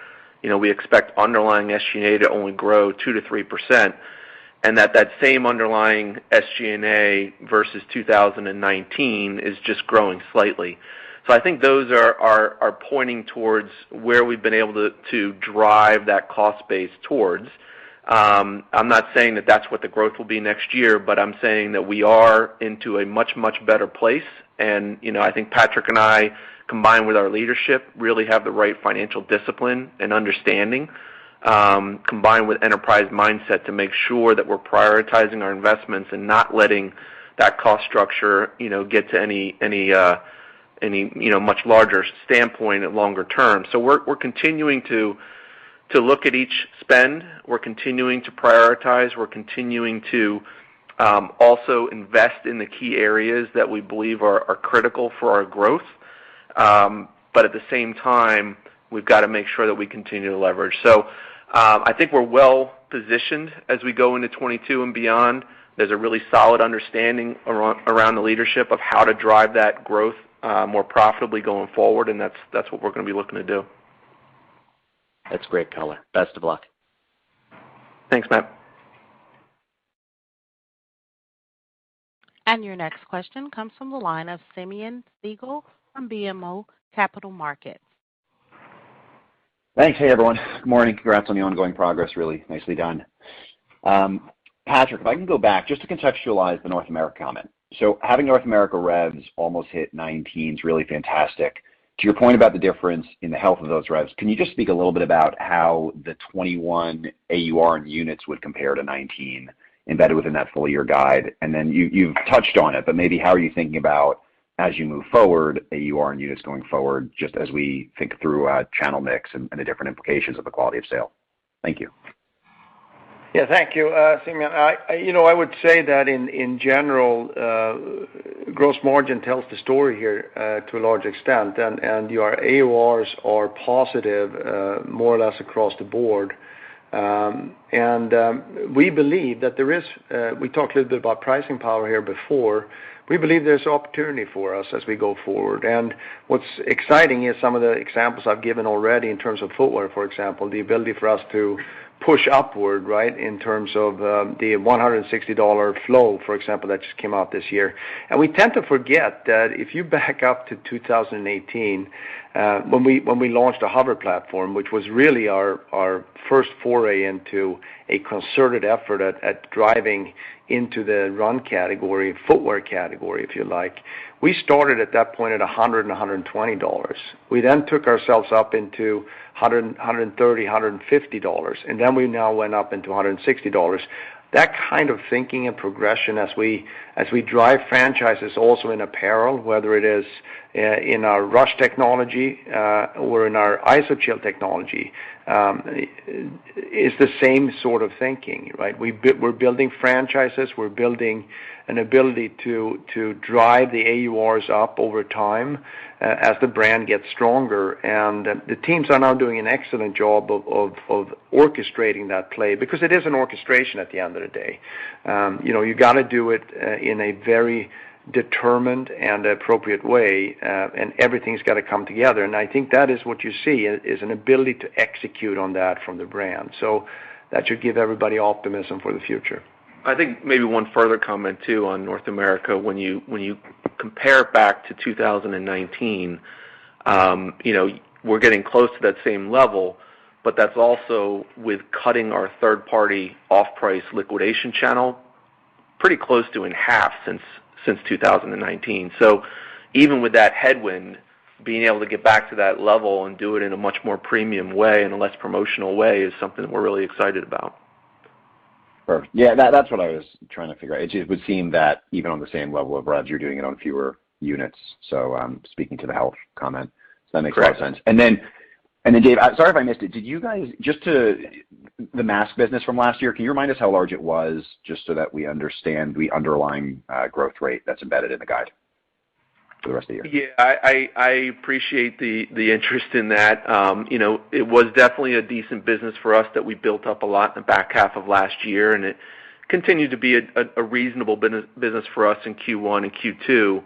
we expect underlying SG&A to only grow 2%-3%, and that that same underlying SG&A versus 2019 is just growing slightly. I think those are pointing towards where we've been able to drive that cost base towards. I'm not saying that that's what the growth will be next year, but I'm saying that we are into a much, much better place, and I think Patrik and I, combined with our leadership, really have the right financial discipline and understanding, combined with enterprise mindset, to make sure that we're prioritizing our investments and not letting that cost structure get to any much larger standpoint at longer term. We're continuing to look at each spend. We're continuing to prioritize. We're continuing to also invest in the key areas that we believe are critical for our growth. At the same time, we've got to make sure that we continue to leverage. I think we're well positioned as we go into 2022 and beyond. There's a really solid understanding around the leadership of how to drive that growth more profitably going forward, and that's what we're going to be looking to do. That's great color. Best of luck. Thanks, Matt. Your next question comes from the line of Simeon Siegel from BMO Capital Markets. Thanks. Hey, everyone. Good morning. Congrats on the ongoing progress. Really nicely done. Patrik, if I can go back just to contextualize the North America comment. Having North America revs almost hit '19 is really fantastic. To your point about the difference in the health of those revs, can you just speak a little bit about how the '21 AUR and units would compare to '19 embedded within that full year guide? Then you've touched on it, but maybe how are you thinking about as you move forward, AUR and units going forward, just as we think through channel mix and the different implications of the quality of sale? Thank you. Yeah, thank you. Simeon, I would say that in general, gross margin tells the story here to a large extent, and your AURs are positive more or less across the board. We talked a little bit about pricing power here before. We believe there's opportunity for us as we go forward. What's exciting is some of the examples I've given already in terms of footwear, for example, the ability for us to push upward, right, in terms of the $160 Flow, for example, that just came out this year. We tend to forget that if you back up to 2018, when we launched the HOVR platform, which was really our first foray into a concerted effort at driving into the run category, footwear category, if you like, we started at that point at $100 and $120. We then took ourselves up into $130, $150, and then we now went up into $160. That kind of thinking and progression as we drive franchises also in apparel, whether it is in our RUSH technology or in our Iso-Chill technology, is the same sort of thinking, right. We're building franchises, we're building an ability to drive the AURs up over time as the brand gets stronger. The teams are now doing an excellent job of orchestrating that play because it is an orchestration at the end of the day. You got to do it in a very determined and appropriate way, and everything's got to come together. I think that is what you see is an ability to execute on that from the brand. That should give everybody optimism for the future. I think maybe one further comment too on North America. When you compare it back to 2019, we're getting close to that same level, but that's also with cutting our third-party off-price liquidation channel pretty close to in half since 2019. Even with that headwind, being able to get back to that level and do it in a much more premium way and a less promotional way is something that we're really excited about. Perfect. Yeah, that's what I was trying to figure out. It would seem that even on the same level of revs, you're doing it on fewer units. Speaking to the health comment, that makes a lot of sense. Correct. Dave, sorry if I missed it. The mask business from last year, can you remind us how large it was, just so that we understand the underlying growth rate that's embedded in the guide for the rest of the year? Yeah. I appreciate the interest in that. It was definitely a decent business for us that we built up a lot in the back half of last year. It continued to be a reasonable business for us in Q1 and Q2.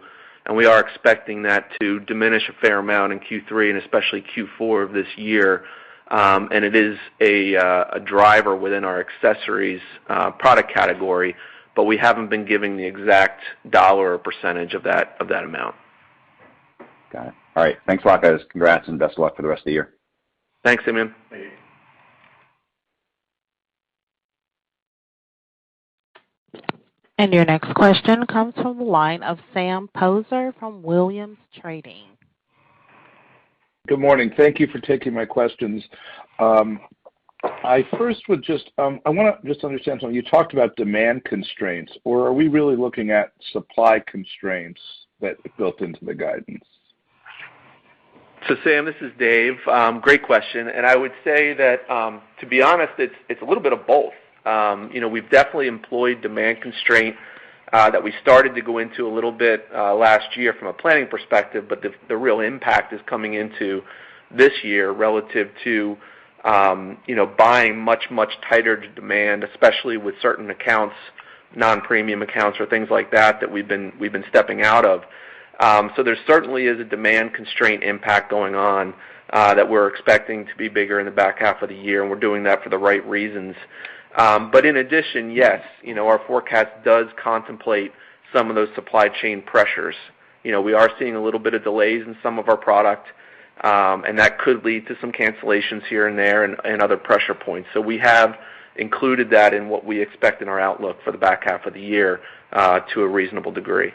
We are expecting that to diminish a fair amount in Q3 and especially Q4 of this year. It is a driver within our accessories product category, but we haven't been giving the exact dollar or percentage of that amount. Got it. All right. Thanks a lot, guys. Congrats. Best of luck for the rest of the year. Thanks, Simeon Siegel. Thank you. Your next question comes from the line of Sam Poser from Williams Trading. Good morning. Thank you for taking my questions. I want to just understand something. You talked about demand constraints, or are we really looking at supply constraints that built into the guidance? Sam, this is Dave. Great question, and I would say that, to be honest, it's a little bit of both. We've definitely employed demand constraint that we started to go into a little bit last year from a planning perspective, but the real impact is coming into this year relative to buying much, much tighter to demand, especially with certain accounts, non-premium accounts or things like that we've been stepping out of. There certainly is a demand constraint impact going on that we're expecting to be bigger in the back half of the year, and we're doing that for the right reasons. In addition, yes, our forecast does contemplate some of those supply chain pressures. We are seeing a little bit of delays in some of our product, and that could lead to some cancellations here and there and other pressure points. We have included that in what we expect in our outlook for the back half of the year to a reasonable degree.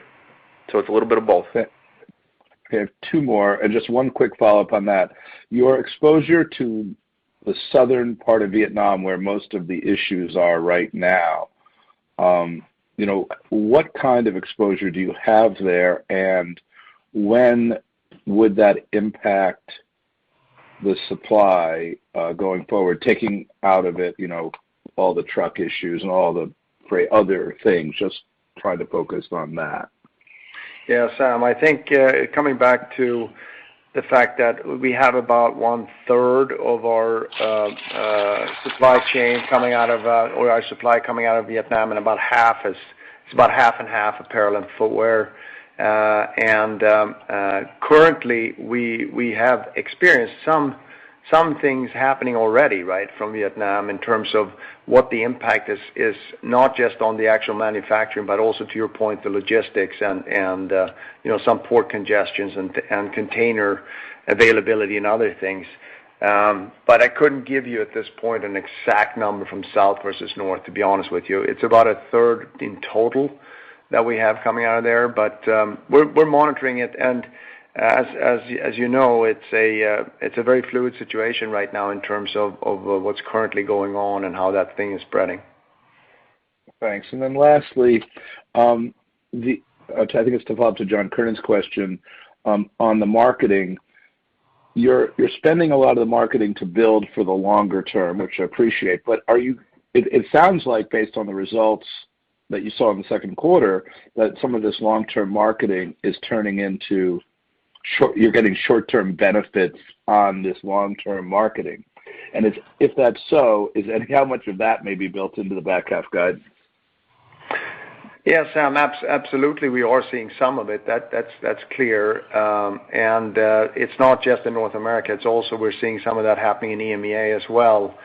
It's a little bit of both. Okay. Two more, and just 1 quick follow-up on that. Your exposure to the southern part of Vietnam, where most of the issues are right now. What kind of exposure do you have there, and when would that impact the supply going forward? Taking out of it all the truck issues and all the other things, just try to focus on that. Yeah, Sam, I think coming back to the fact that we have about one-third of our supply chain or our supply coming out of Vietnam, and it's about half and half apparel and footwear. Currently, we have experienced some things happening already from Vietnam in terms of what the impact is, not just on the actual manufacturing, but also, to your point, the logistics and some port congestions and container availability and other things. I couldn't give you, at this point, an exact number from south versus north, to be honest with you. It's about a third in total that we have coming out of there. We're monitoring it, and as you know, it's a very fluid situation right now in terms of what's currently going on and how that thing is spreading. Thanks. Lastly, I think it's to follow up to John Kernan's question on the marketing. You're spending a lot of the marketing to build for the longer term, which I appreciate, but it sounds like based on the results that you saw in the second quarter, that some of this long-term marketing is turning into you're getting short-term benefits on this long-term marketing. If that's so, how much of that may be built into the back half guide? Yeah, Sam, absolutely we are seeing some of it. That's clear. It's not just in North America, it's also we're seeing some of that happening in EMEA as well.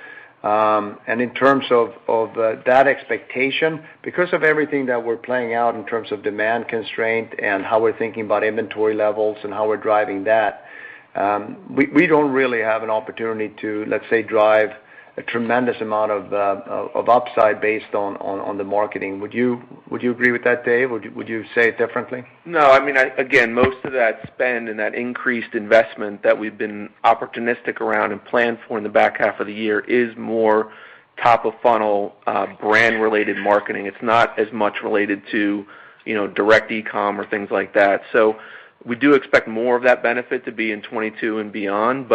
In terms of that expectation, because of everything that we're planning out in terms of demand constraint and how we're thinking about inventory levels and how we're driving that, we don't really have an opportunity to, let's say, drive a tremendous amount of upside based on the marketing. Would you agree with that, Dave? Would you say it differently? No. Again, most of that spend and that increased investment that we've been opportunistic around and planned for in the back half of the year is more top of funnel brand-related marketing. It's not as much related to direct e-com or things like that. We do expect more of that benefit to be in 2022 and beyond.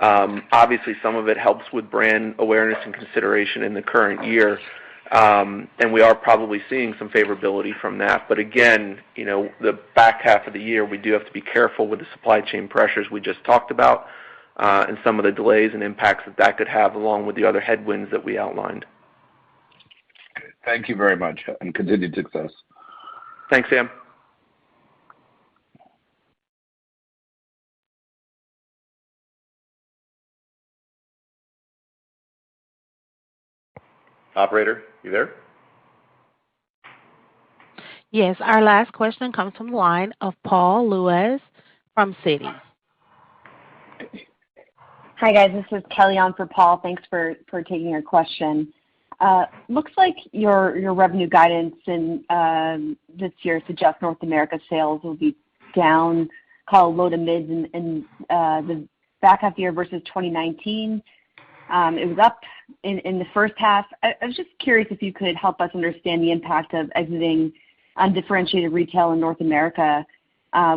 Obviously, some of it helps with brand awareness and consideration in the current year, and we are probably seeing some favorability from that. Again, the back half of the year, we do have to be careful with the supply chain pressures we just talked about and some of the delays and impacts that that could have, along with the other headwinds that we outlined. Good. Thank you very much, and continued success. Thanks, Sam. Operator, you there? Yes. Our last question comes from the line of Paul Lejuez from Citi. Hi, guys. This is Kelly on for Paul. Thanks for taking our question. Looks like your revenue guidance this year suggests North America sales will be down low to mids in the back half year versus 2019. It was up in the first half. I was just curious if you could help us understand the impact of exiting undifferentiated retail in North America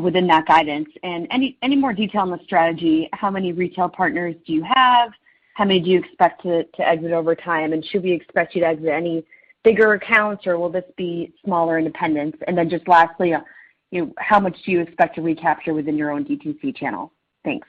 within that guidance, and any more detail on the strategy. How many retail partners do you have? How many do you expect to exit over time, and should we expect you to exit any bigger accounts or will this be smaller independents? Lastly, how much do you expect to recapture within your own DTC channel? Thanks.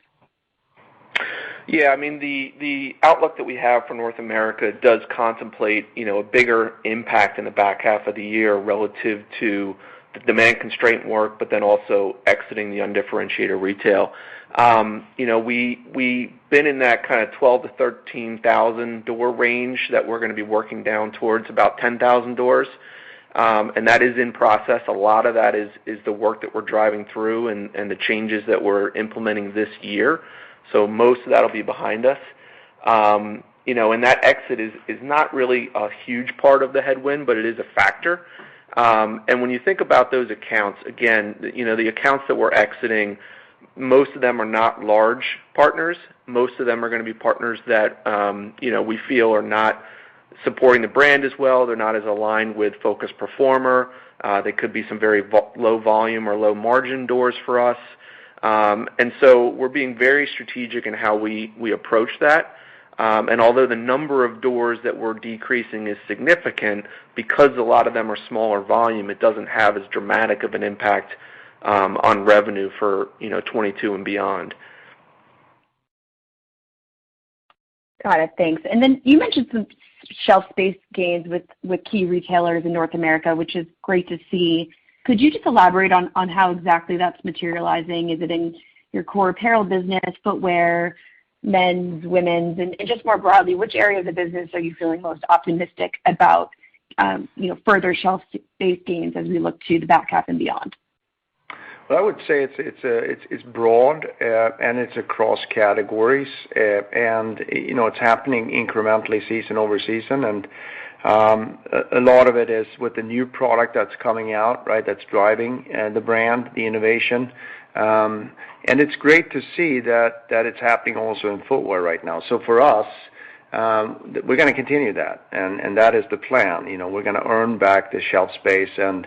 Yeah. The outlook that we have for North America does contemplate a bigger impact in the back half of the year relative to the demand constraint work, also exiting the undifferentiated retail. We've been in that kind of 12,000-13,000 door range that we're going to be working down towards about 10,000 doors, that is in process. A lot of that is the work that we're driving through and the changes that we're implementing this year. Most of that will be behind us. That exit is not really a huge part of the headwind, but it is a factor. When you think about those accounts, again, the accounts that we're exiting, most of them are not large partners. Most of them are going to be partners that we feel are not supporting the brand as well. They're not as aligned with Focused Performer. They could be some very low volume or low margin doors for us. We're being very strategic in how we approach that. Although the number of doors that we're decreasing is significant, because a lot of them are smaller volume, it doesn't have as dramatic of an impact on revenue for 2022 and beyond. Got it. Thanks. You mentioned some shelf space gains with key retailers in North America, which is great to see. Could you just elaborate on how exactly that's materializing? Is it in your core apparel business, footwear, men's, women's? Just more broadly, which area of the business are you feeling most optimistic about further shelf space gains as we look to the back half and beyond? I would say it's broad, and it's across categories. It's happening incrementally season over season. A lot of it is with the new product that's coming out that's driving the brand, the innovation. It's great to see that it's happening also in footwear right now. For us, we're going to continue that, and that is the plan. We're going to earn back the shelf space and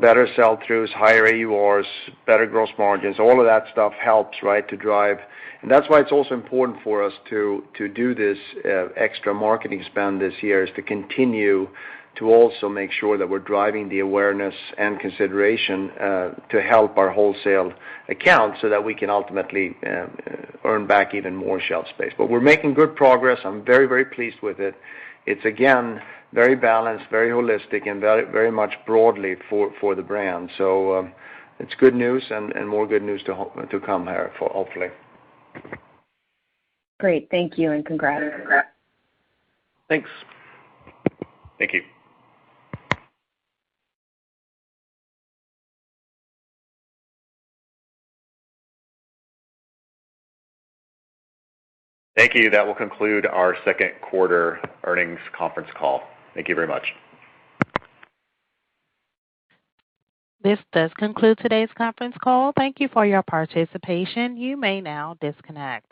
better sell-throughs, higher AURs, better gross margins. All of that stuff helps to drive. That's why it's also important for us to do this extra marketing spend this year, is to continue to also make sure that we're driving the awareness and consideration to help our wholesale accounts so that we can ultimately earn back even more shelf space. We're making good progress. I'm very, very pleased with it. It's, again, very balanced, very holistic, and very much broadly for the brand. It's good news and more good news to come here, hopefully. Great. Thank you, and congrats. Thanks. Thank you. Thank you. That will conclude our second quarter earnings conference call. Thank you very much. This does conclude today's conference call. Thank you for your participation. You may now disconnect.